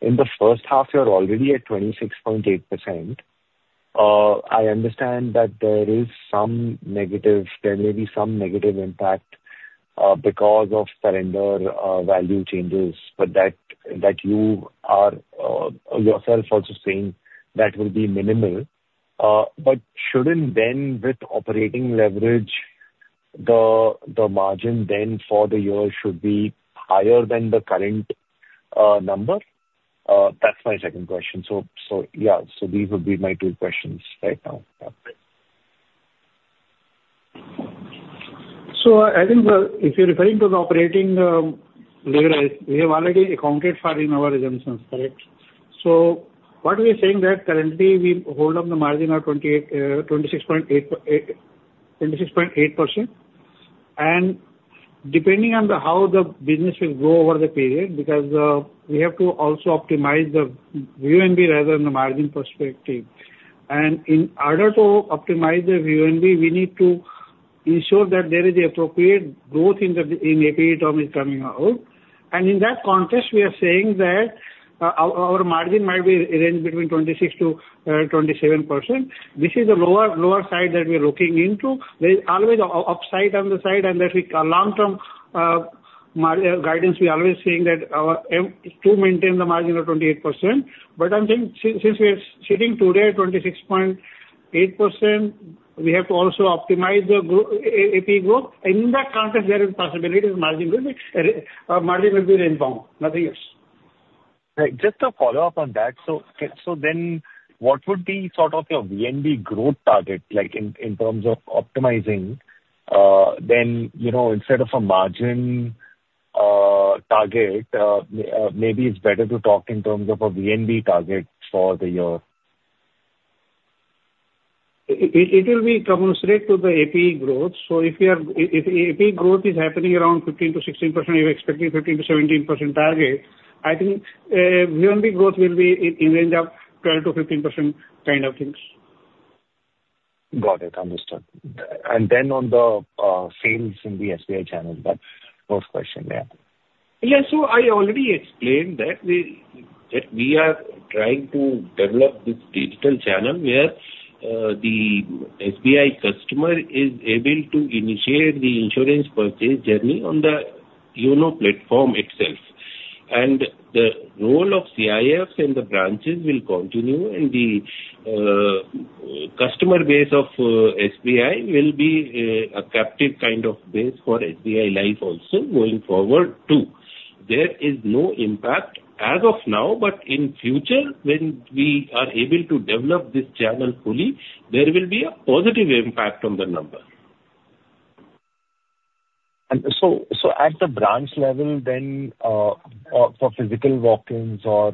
In the first half, you're already at 26.8%. I understand that there is some negative; there may be some negative impact because of surrender value changes, but that you are yourself also saying that will be minimal. But shouldn't then, with operating leverage, the margin then for the year should be higher than the current number? That's my second question. So, yeah, these would be my two questions right now. So I think, if you're referring to the operating leverage, we have already accounted for in our assumptions, correct? So what we are saying that currently we hold up the margin of 26.8%, and depending on the how the business will grow over the period, because we have to also optimize the VNB rather than the margin perspective. And in order to optimize the VNB, we need to ensure that there is the appropriate growth in the in APE term is coming out. And in that context, we are saying that our margin might be range between 26 to 27%. This is the lower side that we are looking into. There is always an upside on the side, and that the long-term guidance, we are always saying that our aim is to maintain the margin of 28%. But I'm saying, since we are sitting today at 26.8%, we have to also optimize the APE growth. In that context, there is possibility the margin will be range bound, nothing else. Right. Just a follow-up on that. So then, what would be sort of your VNB growth target, like, in terms of optimizing, then, you know, instead of a margin target, maybe it's better to talk in terms of a VNB target for the year? It will be commensurate to the APE growth. So if APE growth is happening around 15%-16%, you're expecting 15%-17% target, I think, VNB growth will be in range of 12%-15% kind of things.... Got it, understood. And then on the sales in the SBI channel, but first question there. Yeah, so I already explained that we, that we are trying to develop this digital channel where the SBI customer is able to initiate the insurance purchase journey on the YONO platform itself. And the role of CIS and the branches will continue, and the customer base of SBI will be a captive kind of base for SBI Life also going forward, too. There is no impact as of now, but in future when we are able to develop this channel fully, there will be a positive impact on the number. And so at the branch level then, for physical walk-ins or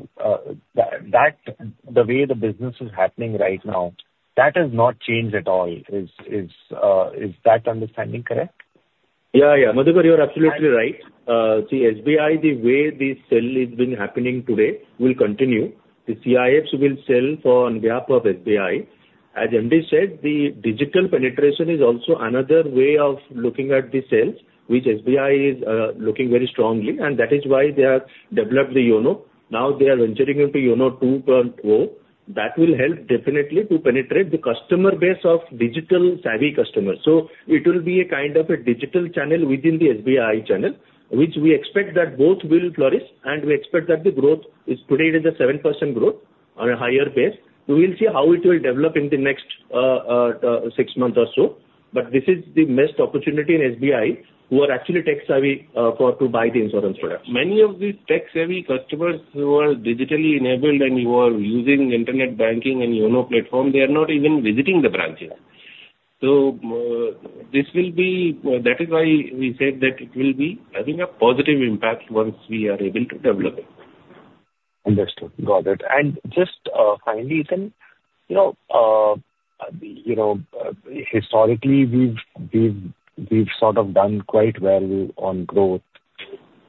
the way the business is happening right now, that has not changed at all. Is that understanding correct? Yeah, yeah, Madhukar, you're absolutely right. See, SBI, the way the sale has been happening today will continue. The CIS will sell for on behalf of SBI. As MD said, the digital penetration is also another way of looking at the sales, which SBI is looking very strongly, and that is why they have developed the YONO. Now they are venturing into YONO two point O. That will help definitely to penetrate the customer base of digital savvy customers. So it will be a kind of a digital channel within the SBI channel, which we expect that both will flourish, and we expect that the growth is today is a 7% growth on a higher base. We will see how it will develop in the next six months or so. But this is the missed opportunity in SBI, who are actually tech-savvy, for to buy the insurance products. Many of these tech-savvy customers who are digitally enabled and who are using internet banking and YONO platform, they are not even visiting the branches. So, this will be. That is why we said that it will be having a positive impact once we are able to develop it. Understood. Got it. And just finally, Sangram, you know, you know, historically, we've sort of done quite well on growth,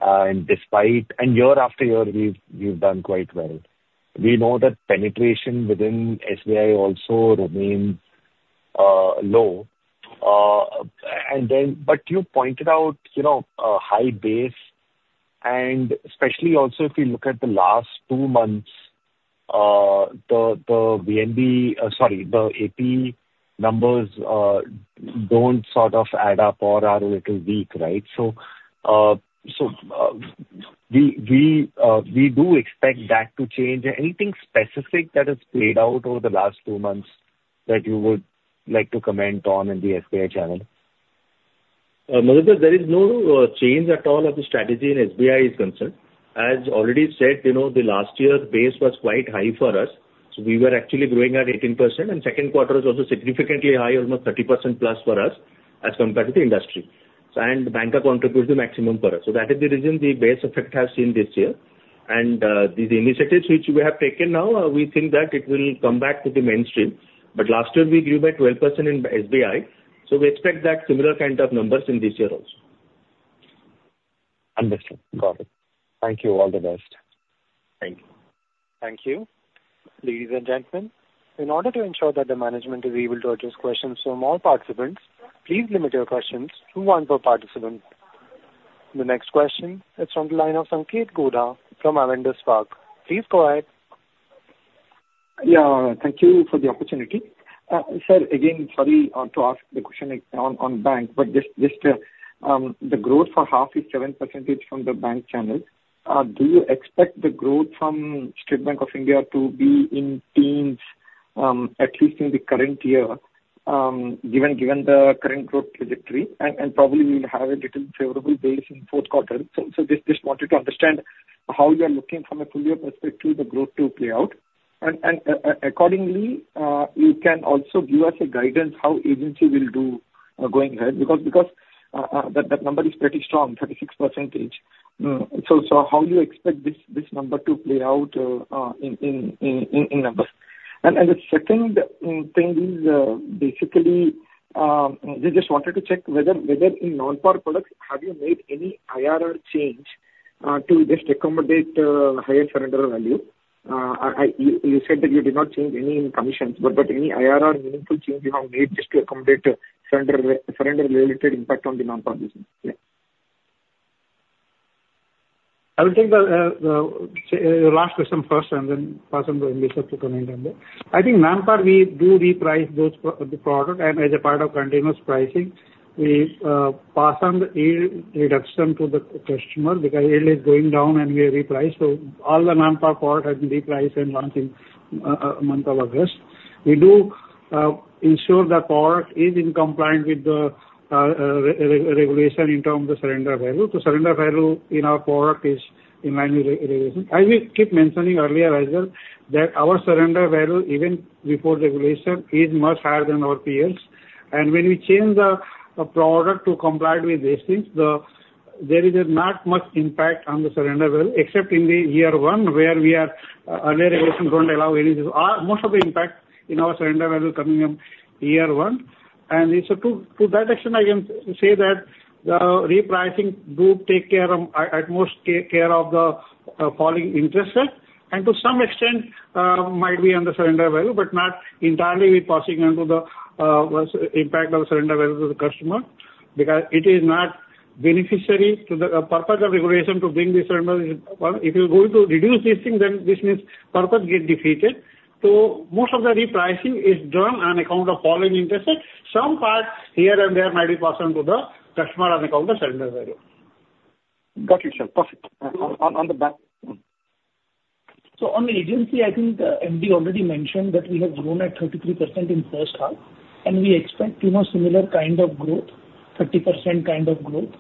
and despite and year after year, we've done quite well. We know that penetration within SBI also remains low. And then, but you pointed out, you know, a high base, and especially also if we look at the last two months, the VNB, sorry, the APE numbers don't sort of add up or are a little weak, right? So, we do expect that to change. Anything specific that has played out over the last two months that you would like to comment on in the SBI channel? Madhukar, there is no change at all of the strategy in SBI is concerned. As already said, you know, the last year's base was quite high for us, so we were actually growing at 18%, and second quarter was also significantly higher, almost 30% plus for us, as compared to the industry. So and Banca contributes the maximum for us. So that is the reason the base effect has seen this year. And the initiatives which we have taken now, we think that it will come back to the mainstream. But last year we grew by 12% in SBI, so we expect that similar kind of numbers in this year also. Understood. Got it. Thank you. All the best. Thank you. Thank you. Ladies and gentlemen, in order to ensure that the management is able to address questions from all participants, please limit your questions to one per participant. The next question is from the line of Sanketh Godha from Avendus Spark. Please go ahead. Yeah, thank you for the opportunity. Sir, again, sorry to ask the question on bank, but just the growth for half is 7% from the bank channel. Do you expect the growth from State Bank of India to be in teens, at least in the current year, given the current growth trajectory, and probably we'll have a little favorable base in fourth quarter. So just wanted to understand how you are looking from a full year perspective, the growth to play out. And accordingly you can also give us a guidance how agency will do going ahead, because that number is pretty strong, 36%. So how you expect this number to play out in numbers? The second thing is, basically, we just wanted to check whether in non-par products, have you made any IRR change to just accommodate higher surrender value? You said that you did not change any in commissions, but any IRR meaningful change you have made just to accommodate surrender-related impact on the non-par business? Yeah. I will take the last question first, and then pass on the answer to Smita. I think non-par, we do reprice those products, and as a part of continuous pricing, we pass on the yield reduction to the customer, because yield is going down and we reprice. So all the non-par product has been repriced and launched in month of August. We do ensure the product is in compliance with the regulation in terms of surrender value. So surrender value in our product is in line with regulation. As we keep mentioning earlier as well, that our surrender value, even before regulation, is much higher than our peers. When we change the product to comply with these things, there is not much impact on the surrender value, except in year one, where we are. Earlier regulations don't allow releases. Most of the impact in our surrender value coming in year one, and it's so to that extent, I can say that the repricing do take care of at most take care of the falling interest rate, and to some extent might be on the surrender value, but not entirely we passing on to the impact of the surrender value to the customer, because it is not beneficial to the purpose of regulation to bring the surrender value. If you're going to reduce this thing, then this means purpose get defeated, so most of the repricing is done on account of falling interest rate. Some parts here and there might be passed on to the customer on account of surrender value. Got you, sir. Perfect. On the back. On the agency, I think, MD already mentioned that we have grown at 33% in first half, and we expect, you know, similar kind of growth, 30% kind of growth,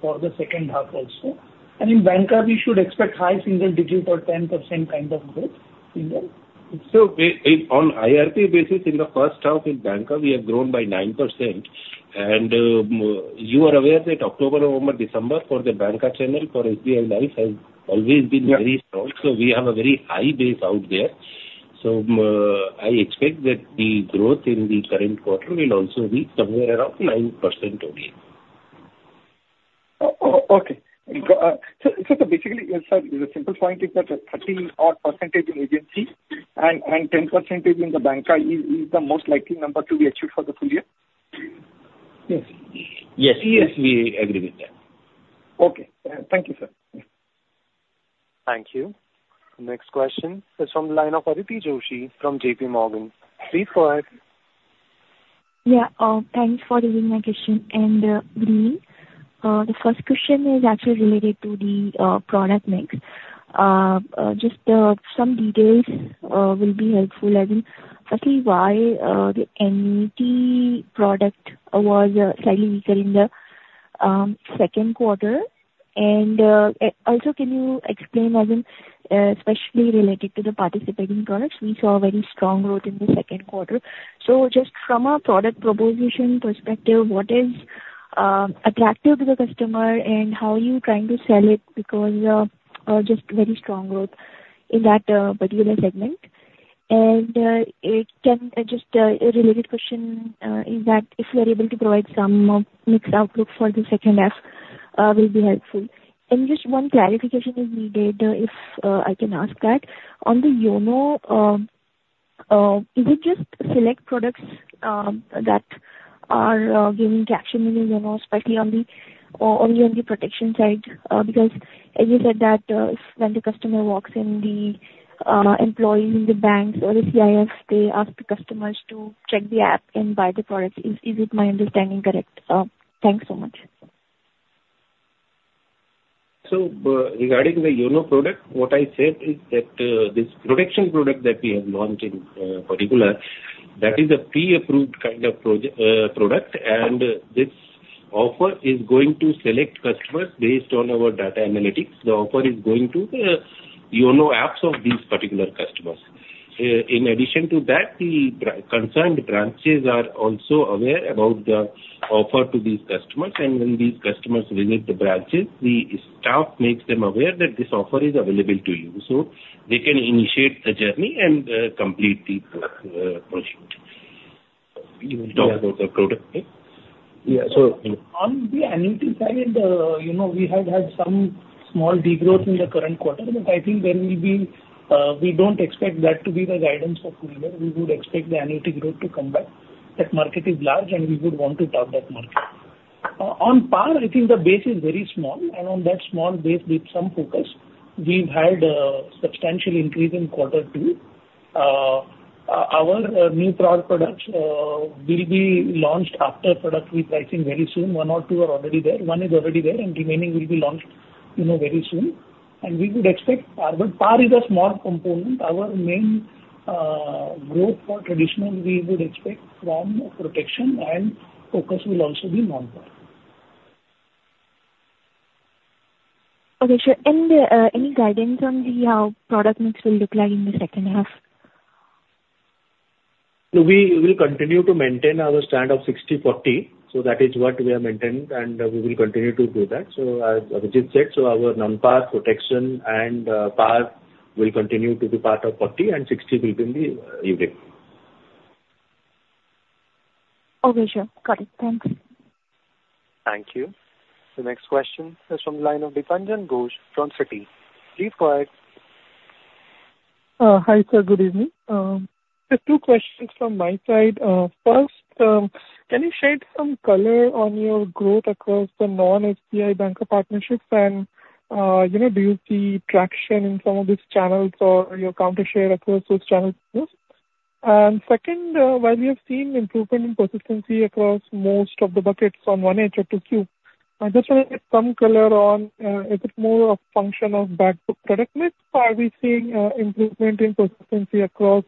for the second half also, and in Banca, we should expect high single digit or 10% kind of growth in that? So, we in on IRNB basis in the first half inBanca we have grown by 9%. And you are aware that October, November, December for the Banca channel for SBI Life has always been- Yeah very strong, so we have a very high base out there. So, I expect that the growth in the current quarter will also be somewhere around 9% only. Okay. So basically, sir, the simple point is that 13-odd% in agency and 10% in the Banca is the most likely number to be achieved for the full year? Yes. Yes, yes, we agree with that. Okay. Thank you, sir. Thank you. Next question is from the line of Aditi Joshi, from JP Morgan. Please go ahead. Yeah, thanks for taking my question, and, good evening. The first question is actually related to the product mix. Just some details will be helpful. I think, firstly, why the annuity product was slightly weaker in the second quarter? And also, can you explain, as in, especially related to the participating products, we saw a very strong growth in the second quarter. So just from a product proposition perspective, what is attractive to the customer, and how are you trying to sell it? Because just very strong growth in that particular segment. And if can, just a related question is that if you are able to provide some mixed outlook for the second half, will be helpful. Just one clarification is needed, if I can ask that. On the YONO, is it just select products that are giving traction in the YONO, especially only on the protection side? Because as you said that, when the customer walks in, the employees in the banks or the CIS, they ask the customers to check the app and buy the product. Is it my understanding correct? Thanks so much. So, regarding the YONO product, what I said is that this protection product that we have launched in particular, that is a pre-approved kind of product, and this offer is going to select customers based on our data analytics. The offer is going to YONO apps of these particular customers. In addition to that, the concerned branches are also aware about the offer to these customers, and when these customers visit the branches, the staff makes them aware that this offer is available to you, so they can initiate the journey and complete the purchase. You will talk about the product, yeah? Yeah. So on the annuity side, you know, we had some small degrowth in the current quarter, but I think there will be, we don't expect that to be the guidance for full year. We would expect the annuity growth to come back. That market is large, and we would want to tap that market. On par, I think the base is very small, and on that small base, with some focus, we've had a substantial increase in quarter two. Our new products will be launched after product repricing very soon. One or two are already there. One is already there, and remaining will be launched, you know, very soon. And we would expect par, but par is a small component. Our main growth for traditional, we would expect from protection and focus will also be non-par. Okay, sure. And, any guidance on how product mix will look like in the second half? So we will continue to maintain our stand of 60/40, so that is what we are maintaining, and we will continue to do that. So as Abhijit said, so our non-par protection and par will continue to be part of 40, and 60 will be in the unit. Okay, sure. Got it. Thanks. Thank you. The next question is from the line of Deepanjan Ghosh from Citi. Please go ahead. Hi, sir, good evening. Just two questions from my side. First, can you shed some color on your growth across the non-SBI Banca partnerships? And, you know, do you see traction in some of these channels or your market share across those channels? And second, while we have seen improvement in persistency across most of the buckets from 1H to 2Q, I just wanted some color on, is it more a function of back book product mix, or are we seeing improvement in persistency across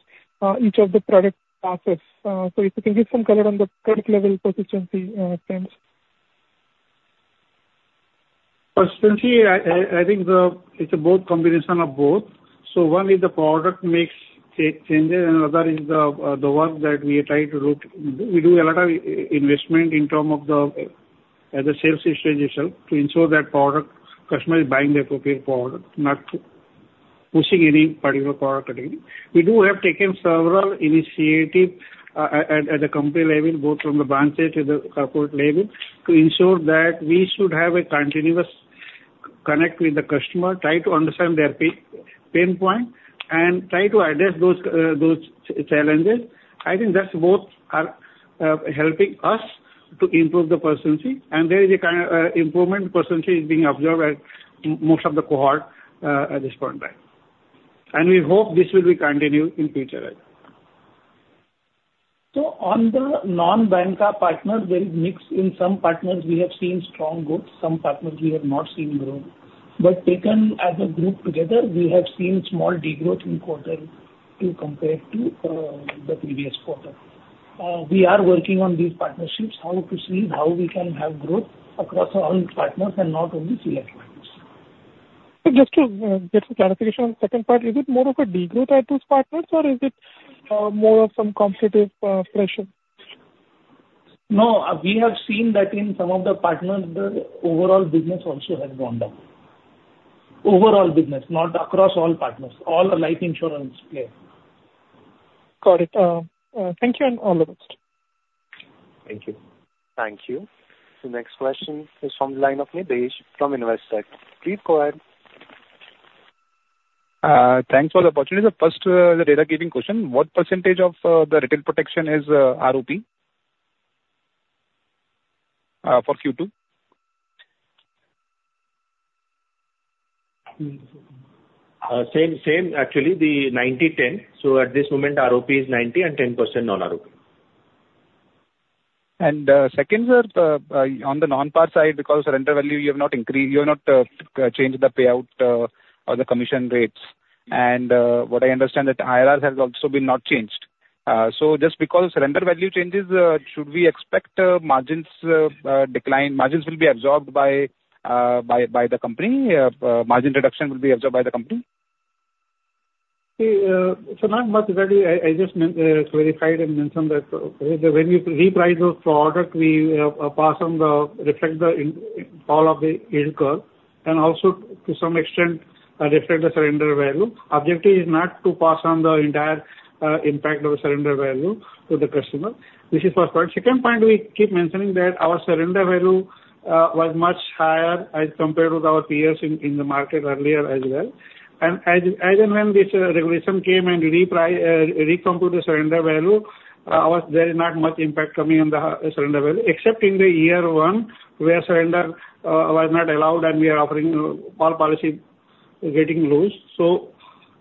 each of the product classes? So if you can give some color on the product level persistency, thanks. Persistency, I think it's a combination of both. So one is the product mix changes, and another is the one that we are trying to do. We do a lot of investment in terms of the sales registration to ensure that the customer is buying the appropriate product, not- ... pushing any particular product category. We do have taken several initiative at the company level, both from the branches to the corporate level, to ensure that we should have a continuous connect with the customer, try to understand their pain point, and try to address those challenges. I think that's both are helping us to improve the persistency, and there is a kind of improvement, persistency is being observed at most of the cohort at this point in time. And we hope this will be continue in future as well. So on the non-Banca partnBer, there is mix. In some partners, we have seen strong growth, some partners we have not seen growth. But taken as a group together, we have seen small degrowth in quarter two compared to the previous quarter. We are working on these partnerships, how to see how we can have growth across all partners and not only select partners. So just to get some clarification on the second part, is it more of a degrowth at those partners, or is it more of some competitive pressure? No, we have seen that in some of the partners, the overall business also has gone down. Overall business, not across all partners, all the life insurance players. Got it. Thank you, and all the best. Thank you. Thank you. The next question is from the line of Nidhesh from Investec. Please go ahead. Thanks for the opportunity. So first, the daunting question: What percentage of the retail protection is ROP for Q2? Same, same, actually, the 90-10. So at this moment, ROP is 90, and 10% non-ROP. And, second, sir, on the non-par side, because surrender value, you have not increased, you have not changed the payout or the commission rates. And, what I understand that IRR has also been not changed. So just because surrender value changes, should we expect margins decline? Margins will be absorbed by the company. Margin reduction will be absorbed by the company? See, so not much, really. I just verified and mentioned that when we reprice those products, we pass on and reflect the increase in all of the yield curve, and also to some extent reflect the surrender value. Objective is not to pass on the entire impact of the surrender value to the customer. This is first point. Second point, we keep mentioning that our surrender value was much higher as compared with our peers in the market earlier as well. And as and when this regulation came and reprice, recompute the surrender value, there is not much impact coming on the surrender value, except in the year one, where surrender was not allowed, and we are offering all policies getting lapsed. So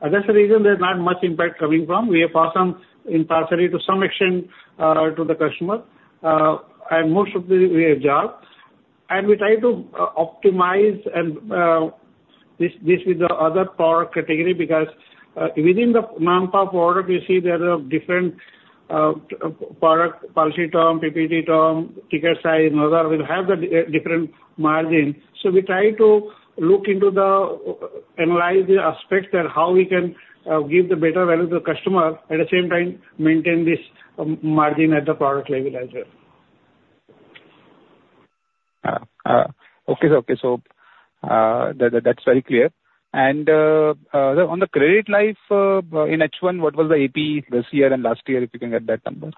that's the reason there's not much impact coming from. We have passed on it partially to some extent to the customer, and most of it we absorb. And we try to optimize and this with the other product category, because within the non-par product, we see there are different product policy term, PPT term, ticket size and others will have the different margin. So we try to look into, analyze the aspects that how we can give the better value to the customer, at the same time, maintain this margin at the product level as well. Okay, sir. Okay, so, on the credit life, in H1, what was the APE this year and last year, if you can get that number?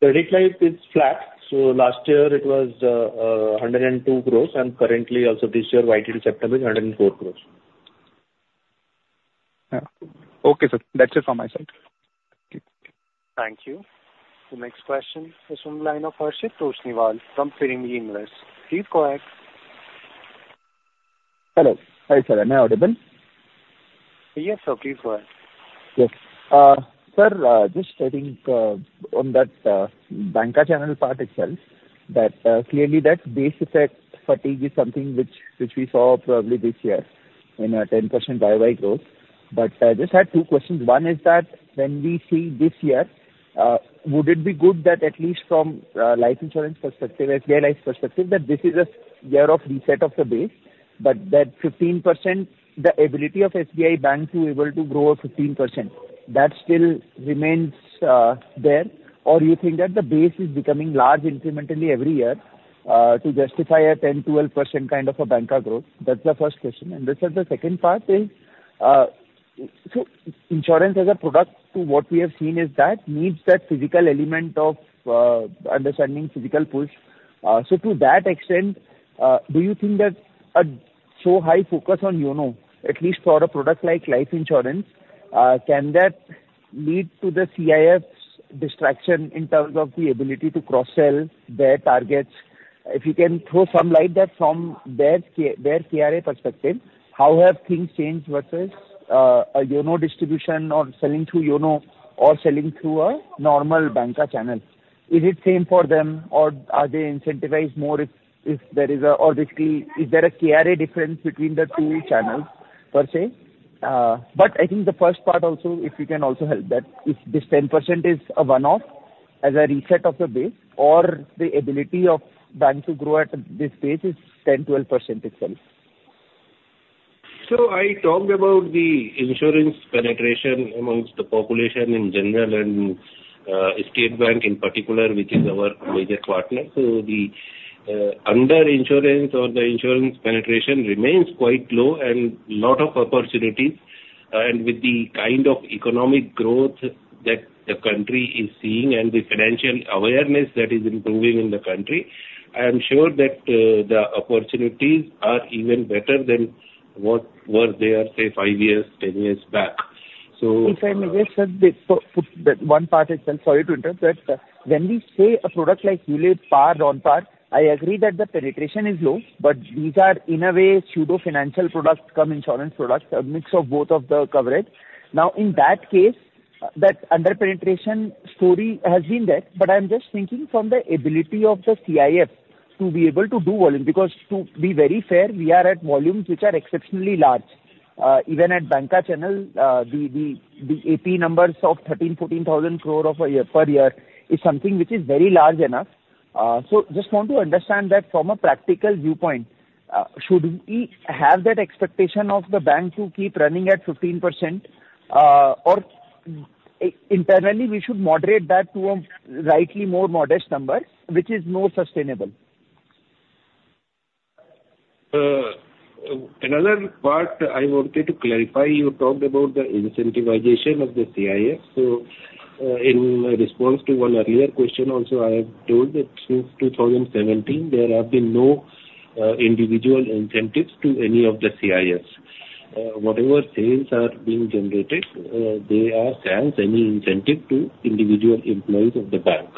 Credit Life is flat, so last year it was 102 crores, and currently also this year, YTD September, 104 crores. Okay, sir. That's it from my side. Thank you. The next question is from the line of Harshit Toshniwal from Nirmal Bang. Please go ahead. Hello. Hi, sir. Am I audible? Yes, sir, please go ahead. Yes. Sir, just I think, on that, Banca channel part itself, that, clearly that base effect fatigue is something which we saw probably this year in a 10% YY growth. But, I just had two questions. One is that when we see this year, would it be good that at least from, life insurance perspective, SBI Life perspective, that this is a year of reset of the base, but that 15%, the ability of SBI Bank to able to grow a 15%, that still remains, there? Or you think that the base is becoming large incrementally every year, to justify a 10-12% kind of a Banca growth? That's the first question. And this is the second part is, so insurance as a product, to what we have seen is that needs that physical element of, understanding physical push. So to that extent, do you think that a so high focus on YONO, at least for a product like life insurance, can that lead to the CIS's distraction in terms of the ability to cross-sell their targets? If you can throw some light on that from their KRA perspective, how have things changed versus, a YONO distribution or selling through YONO or selling through a normal Banca channel? Is it same for them, or are they incentivized more if there is a... or basically, is there a KRA difference between the two channels per se? But I think the first part also, if you can also help that, if this 10% is a one-off as a reset of the base, or the ability of bank to grow at this pace is 10-12% itself. So I talked about the insurance penetration among the population in general and, State Bank in particular, which is our major partner. So the- ... under insurance or the insurance penetration remains quite low and lot of opportunities, and with the kind of economic growth that the country is seeing and the financial awareness that is improving in the country, I am sure that the opportunities are even better than what were there, say, five years, ten years back. So, If I may, sir, just put one part itself. Sorry to interrupt, but when we say a product like ULIP, Par, Non-par, I agree that the penetration is low, but these are, in a way, pseudo-financial products cum insurance products, a mix of both of the coverage. Now, in that case, that under-penetration story has been there, but I'm just thinking from the ability of the CIS to be able to do volume. Because to be very fair, we are at volumes which are exceptionally large. Even at Banca channel, the APE numbers of 13-14 thousand crore a year, per year, is something which is very large enough. So just want to understand that from a practical viewpoint, should we have that expectation of the bank to keep running at 15%? Internally, we should moderate that to a slightly more modest number, which is more sustainable. Another part I wanted to clarify, you talked about the incentivization of the CIS. So, in response to one earlier question also, I have told that since two thousand and seventeen, there have been no individual incentives to any of the CISs. Whatever sales are being generated, they are sans any incentive to individual employees of the bank.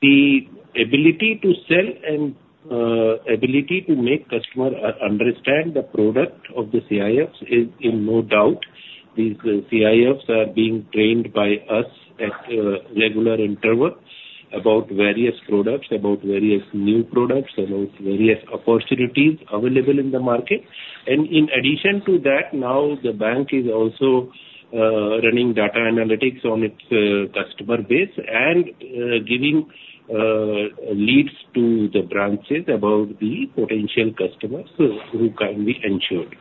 The ability to sell and ability to make customer understand the product of the CISs is in no doubt. These CISs are being trained by us at regular intervals about various products, about various new products, about various opportunities available in the market, and in addition to that, now the bank is also running data analytics on its customer base and giving leads to the branches about the potential customers who can be insured.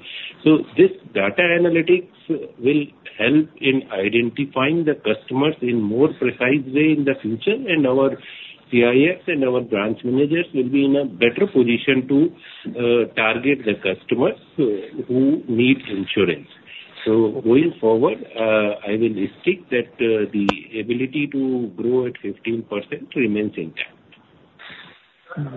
So this data analytics will help in identifying the customers in more precise way in the future, and our CIFs and our branch managers will be in a better position to target the customers who need insurance. So going forward, I will insist that the ability to grow at 15% remains intact.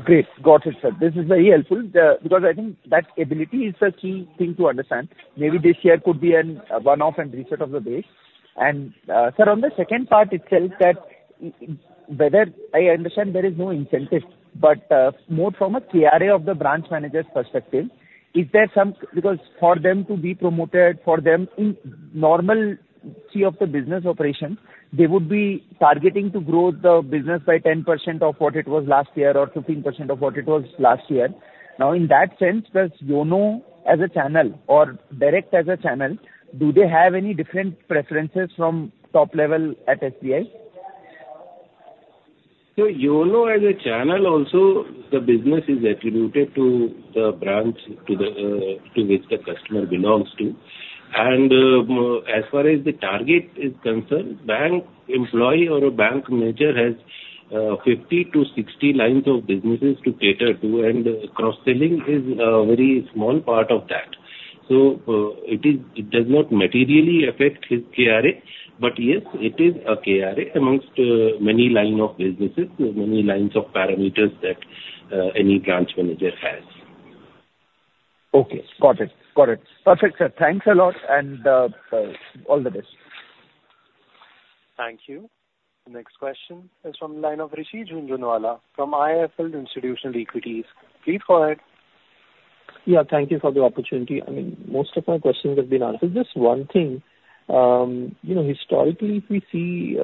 Great. Got it, sir. This is very helpful, because I think that ability is the key thing to understand. Maybe this year could be a one-off and reset of the base. And, sir, on the second part itself, that whether. I understand there is no incentive, but, more from a KRA of the branch manager's perspective, is there some. Because for them to be promoted, for them in normalcy of the business operation, they would be targeting to grow the business by 10% of what it was last year or 15% of what it was last year. Now, in that sense, does YONO as a channel or direct as a channel, do they have any different preferences from top level at SBI? So YONO as a channel also, the business is attributed to the branch to which the customer belongs to. And, as far as the target is concerned, bank employee or a bank manager has 50-60 lines of businesses to cater to, and cross-selling is a very small part of that. So, it does not materially affect his KRA, but yes, it is a KRA amongst many line of businesses, many lines of parameters that any branch manager has. Okay, got it. Got it. Perfect, sir. Thanks a lot, and all the best. Thank you. The next question is from the line of Rishi Jhunjhunwala from IIFL Institutional Equities. Please go ahead. Yeah, thank you for the opportunity. I mean, most of my questions have been answered. Just one thing, you know, historically, if we see,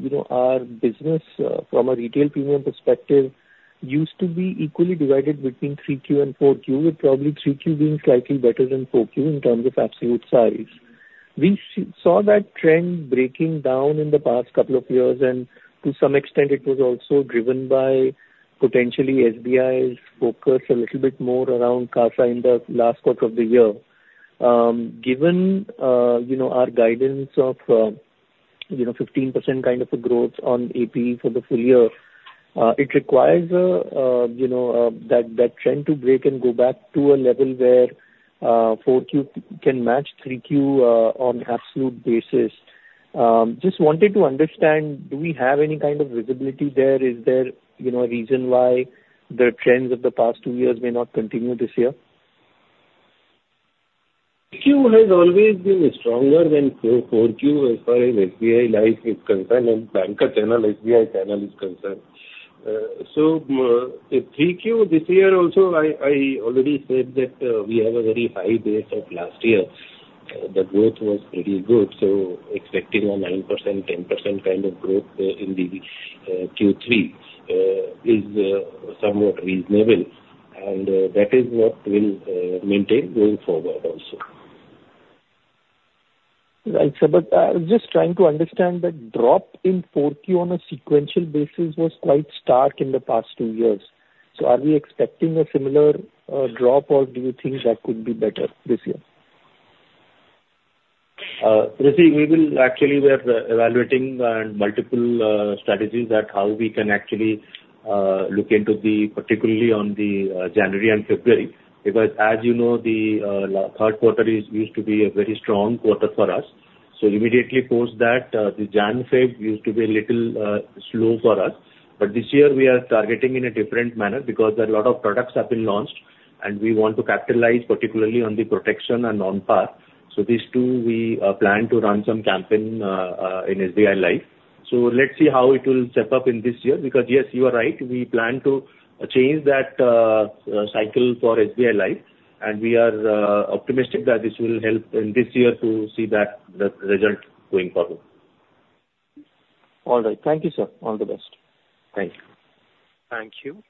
you know, our business, from a retail premium perspective, used to be equally divided between Q3 and Q4, with probably Q3 being slightly better than Q4 in terms of absolute size. We saw that trend breaking down in the past couple of years, and to some extent, it was also driven by potentially SBI's focus a little bit more around CASA in the last quarter of the year. Given, you know, our guidance of, you know, 15% kind of a growth on APE for the full year, it requires, you know, that trend to break and go back to a level where Q4 can match Q3 on absolute basis. Just wanted to understand, do we have any kind of visibility there? Is there, you know, a reason why the trends of the past two years may not continue this year? Q3 has always been stronger than Q4, Q4 as far as SBI Life is concerned, and bancassurance channel, SBI channel is concerned. So, Q3, this year also, I already said that, we have a very high base of last year. The growth was pretty good, so expecting a 9%-10% kind of growth in the Q3 is somewhat reasonable. And, that is what will maintain going forward also. Right, sir, but just trying to understand that drop in Q4 on a sequential basis was quite stark in the past two years. So are we expecting a similar drop, or do you think that could be better this year?... You see, we will actually we are evaluating multiple strategies at how we can actually look into the particularly on the January and February, because as you know, the third quarter is used to be a very strong quarter for us. So immediately post that, the Jan, Feb used to be a little slow for us. But this year we are targeting in a different manner because there are a lot of products have been launched, and we want to capitalize, particularly on the protection and non-par. So these two, we plan to run some campaign in SBI Life. So let's see how it will shape up in this year, because, yes, you are right, we plan to change that cycle for SBI Life, and we are optimistic that this will help in this year to see that the result going forward. All right. Thank you, sir. All the best. Thank you. Thank you.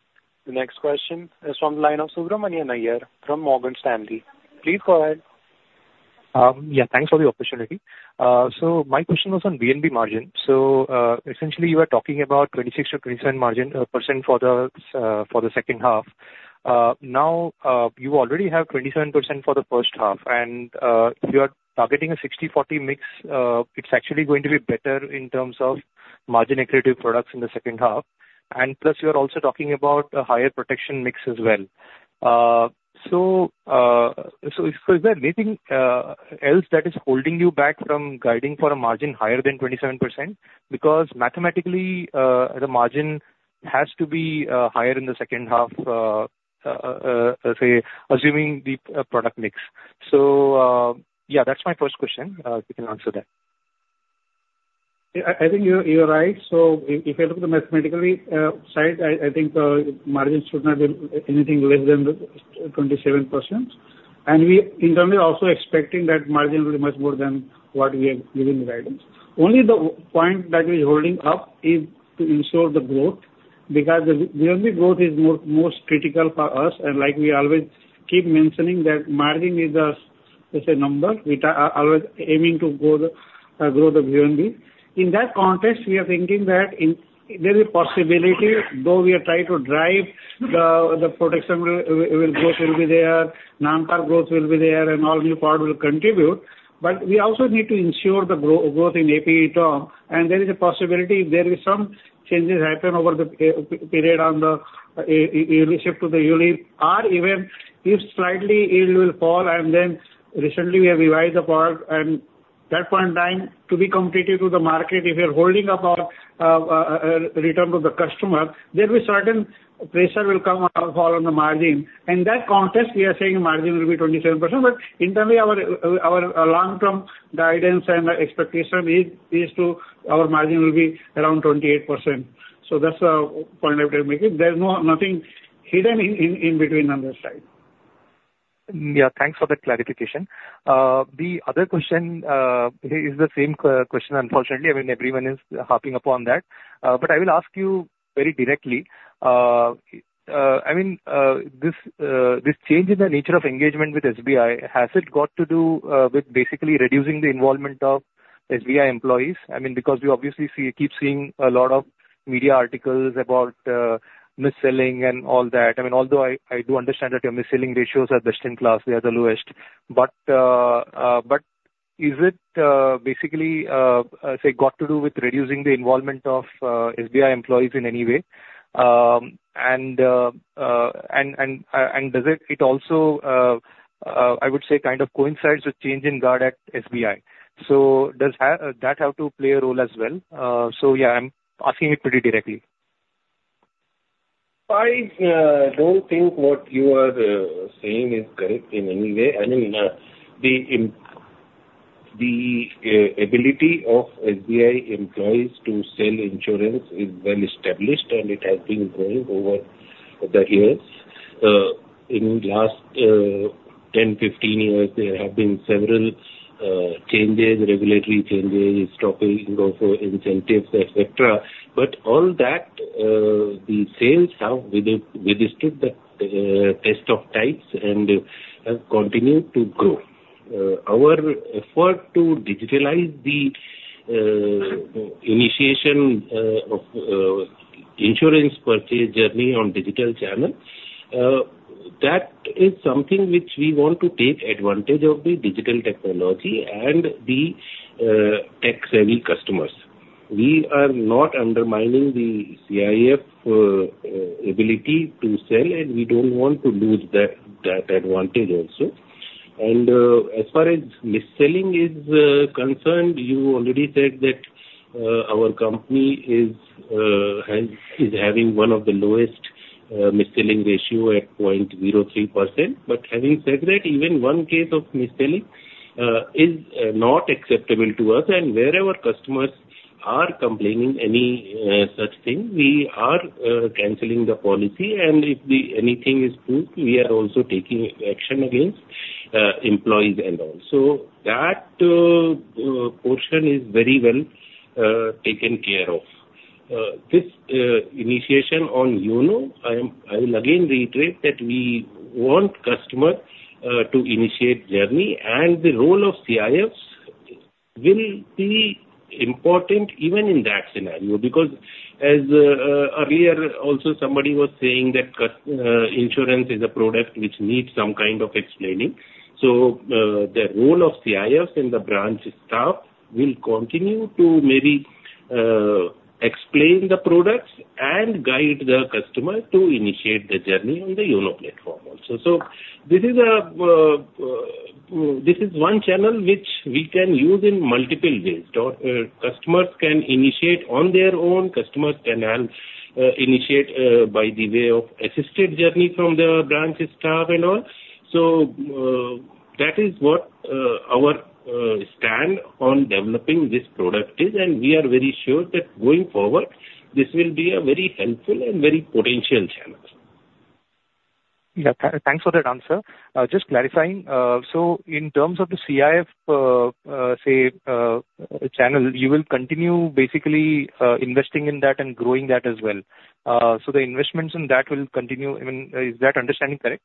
The next question is from the line of Subramanian Iyer from Morgan Stanley. Please go ahead. Yeah, thanks for the opportunity. So my question was on VNB margin. So, essentially, you are talking about 26-27% margin for the second half. Now, you already have 27% for the first half, and you are targeting a 60/40 mix. It's actually going to be better in terms of margin accretive products in the second half. And plus, you are also talking about a higher protection mix as well. So, is there anything else that is holding you back from guiding for a margin higher than 27%? Because mathematically, the margin has to be higher in the second half, say, assuming the product mix. So, yeah, that's my first question. If you can answer that. Yeah, I think you're right. So if you look at the mathematical side, I think margin should not be anything less than 27%. And we internally also expecting that margin will be much more than what we have given the guidance. Only the point that is holding up is to ensure the growth, because the VNB growth is more critical for us. And like we always keep mentioning, that margin is a number, it's a number which are always aiming to grow the VNB. In that context, we are thinking that there is a possibility, though we are trying to drive the protection will growth will be there, non-par growth will be there, and all new par will contribute. But we also need to ensure the growth in APE term, and there is a possibility there is some changes happen over the period on the yearly shift to the yearly or even if slightly it will fall. And then recently we have revised the Par and that point in time to be competitive to the market. If you're holding up our return to the customer, there is certain pressure will come or fall on the margin. In that context, we are saying margin will be 27%, but internally, our long-term guidance and expectation is to our margin will be around 28%. So that's the point I would make it. There's no nothing hidden in between on this side. Yeah, thanks for that clarification. The other question is the same question unfortunately. I mean, everyone is harping on that. But I will ask you very directly. I mean, this change in the nature of engagement with SBI, has it got to do with basically reducing the involvement of SBI employees? I mean, because we obviously see, keep seeing a lot of media articles about mis-selling and all that. I mean, although I do understand that your mis-selling ratios are best in class, they are the lowest. But is it basically got to do with reducing the involvement of SBI employees in any way? And does it also, I would say, kind of coincides with change of guard at SBI. So does that have to play a role as well? So yeah, I'm asking it pretty directly. I don't think what you are saying is correct in any way. I mean, the ability of SBI employees to sell insurance is well established, and it has been growing over the years. In last 10, 15 years, there have been several changes, regulatory changes, stopping, and also incentives, et cetera. But all that, the sales have withstood the test of times and continue to grow. Our effort to digitalize the initiation of insurance purchase journey on digital channel, that is something which we want to take advantage of the digital technology and the tech-savvy customers. We are not undermining the CIS ability to sell, and we don't want to lose that advantage also. As far as mis-selling is concerned, you already said that our company is having one of the lowest mis-selling ratio at 0.03%. But having said that, even one case of mis-selling is not acceptable to us. And wherever customers are complaining any such thing, we are canceling the policy. And if anything is proved, we are also taking action against employees and all. So that portion is very well taken care of. This initiation on YONO, I will again reiterate that we want customer to initiate journey, and the role of CIFs will be important even in that scenario, because as earlier also somebody was saying that insurance is a product which needs some kind of explaining. So, the role of CIF and the branch staff will continue to maybe explain the products and guide the customer to initiate the journey on the YONO platform also. So this is one channel which we can use in multiple ways. Customers can initiate on their own, customers can initiate by way of assisted journey from the branch staff and all. So, that is what our stance on developing this product is, and we are very sure that going forward, this will be a very helpful and very potential channel. Yeah, thanks for that answer. Just clarifying. So in terms of the CIS channel, you will continue basically investing in that and growing that as well? So the investments in that will continue, I mean, is that understanding correct?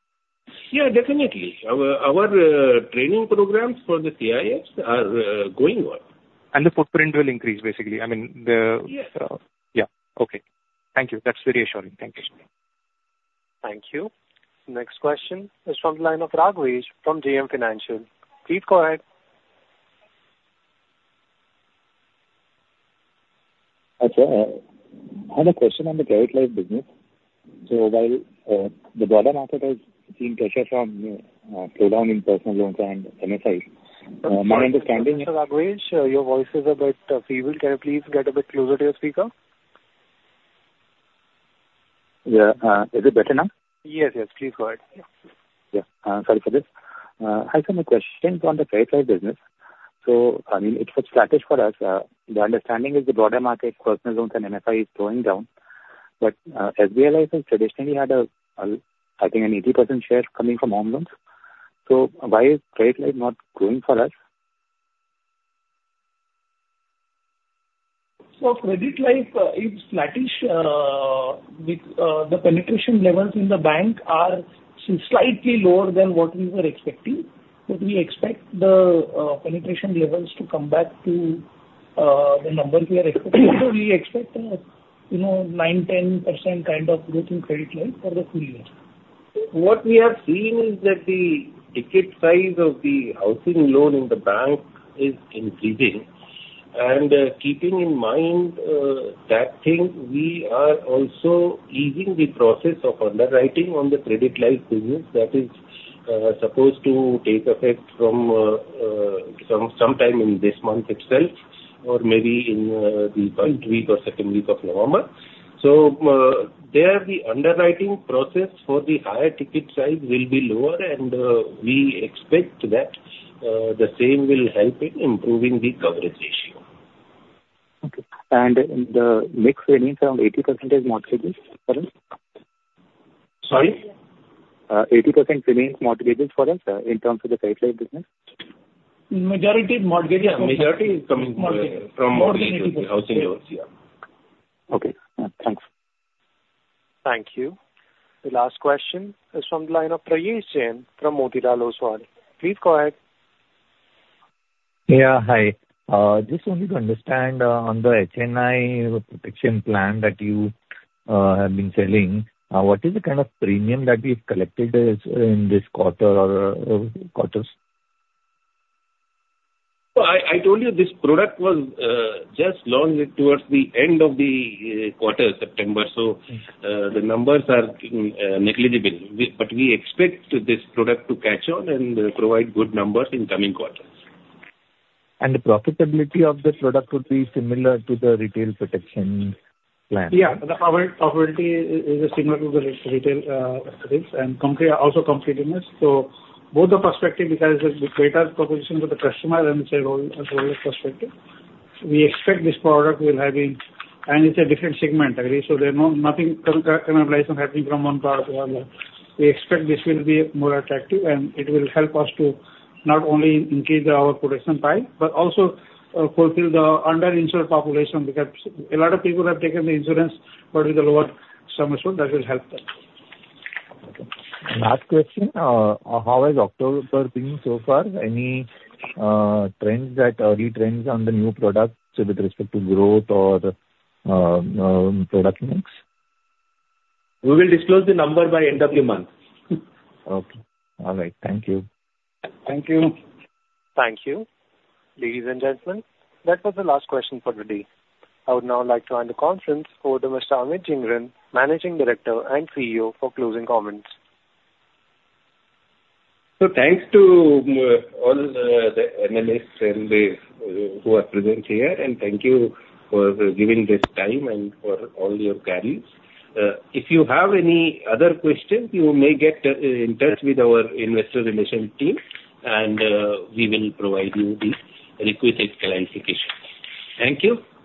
Yeah, definitely. Our training programs for the CIS are going on. And the footprint will increase, basically. I mean, the- Yes. Yeah. Okay. Thank you. That's very reassuring. Thank you. Thank you. Next question is from the line of Raghavesh from JM Financial. Please go ahead. Sir, I have a question on the Credit Life business. So while the broader market has seen pressure from slowdown in personal loans and MFIs, my understanding- Sorry, Raghavesh, your voice is a bit feeble. Can you please get a bit closer to your speaker? Yeah. Is it better now? Yes, yes, please go ahead. Yeah. Sorry for this. I have some questions on the Credit Life business. So, I mean, it was flattish for us. The understanding is the broader market, personal loans and MFIs going down. But, SBIL has traditionally had a, I think an 80% share coming from home loans. So why is Credit Life not growing for us? So Credit Life is flattish with the penetration levels in the bank are slightly lower than what we were expecting. But we expect the penetration levels to come back to the numbers we are expecting. So we expect you know 9%-10% kind of growth in Credit Life for the full year. What we have seen is that the ticket size of the housing loan in the bank is increasing, and keeping in mind that thing, we are also easing the process of underwriting on the Credit Life business that is supposed to take effect from sometime in this month itself, or maybe in the first week or second week of November. So there, the underwriting process for the higher ticket size will be lower, and we expect that the same will help in improving the coverage ratio. Okay. And the next remains around 80% is mortgages for us? Sorry? 80% remains mortgages for us, in terms of the Credit Life business. Majority is mortgages. Majority is coming from mortgages, housing loans, yeah. Okay, thanks. Thank you. The last question is from the line of Prayesh Jain from Motilal Oswal. Please go ahead. Yeah, hi. Just wanted to understand, on the HNI protection plan that you have been selling, what is the kind of premium that we've collected is in this quarter or quarters? So I told you this product was just launched towards the end of the quarter, September. The numbers are negligible. But we expect this product to catch on and provide good numbers in coming quarters. The profitability of this product would be similar to the retail protection plan? Yeah. The profitability is similar to the retail plans and also competitiveness. So both perspectives, because it's a better proposition to the customer and it's a role perspective. We expect this product will have. It's a different segment, I agree, so there's nothing happening from one product to another. We expect this will be more attractive, and it will help us to not only increase our protection pie, but also fulfill the underinsured population, because a lot of people have taken the insurance, but with a lower sum assured, that will help them. Okay. Last question, how has October been so far? Any trends, the early trends on the new products with respect to growth or product mix? We will disclose the number by end of the month. Okay. All right. Thank you. Thank you. Thank you. Ladies and gentlemen, that was the last question for the day. I would now like to hand the conference over to Mr. Amit Jhingran, Managing Director and CEO, for closing comments. Thanks to all the analysts who are present here, and thank you for giving this time and for all your queries. If you have any other questions, you may get in touch with our investor relations team, and we will provide you the requisite clarifications. Thank you.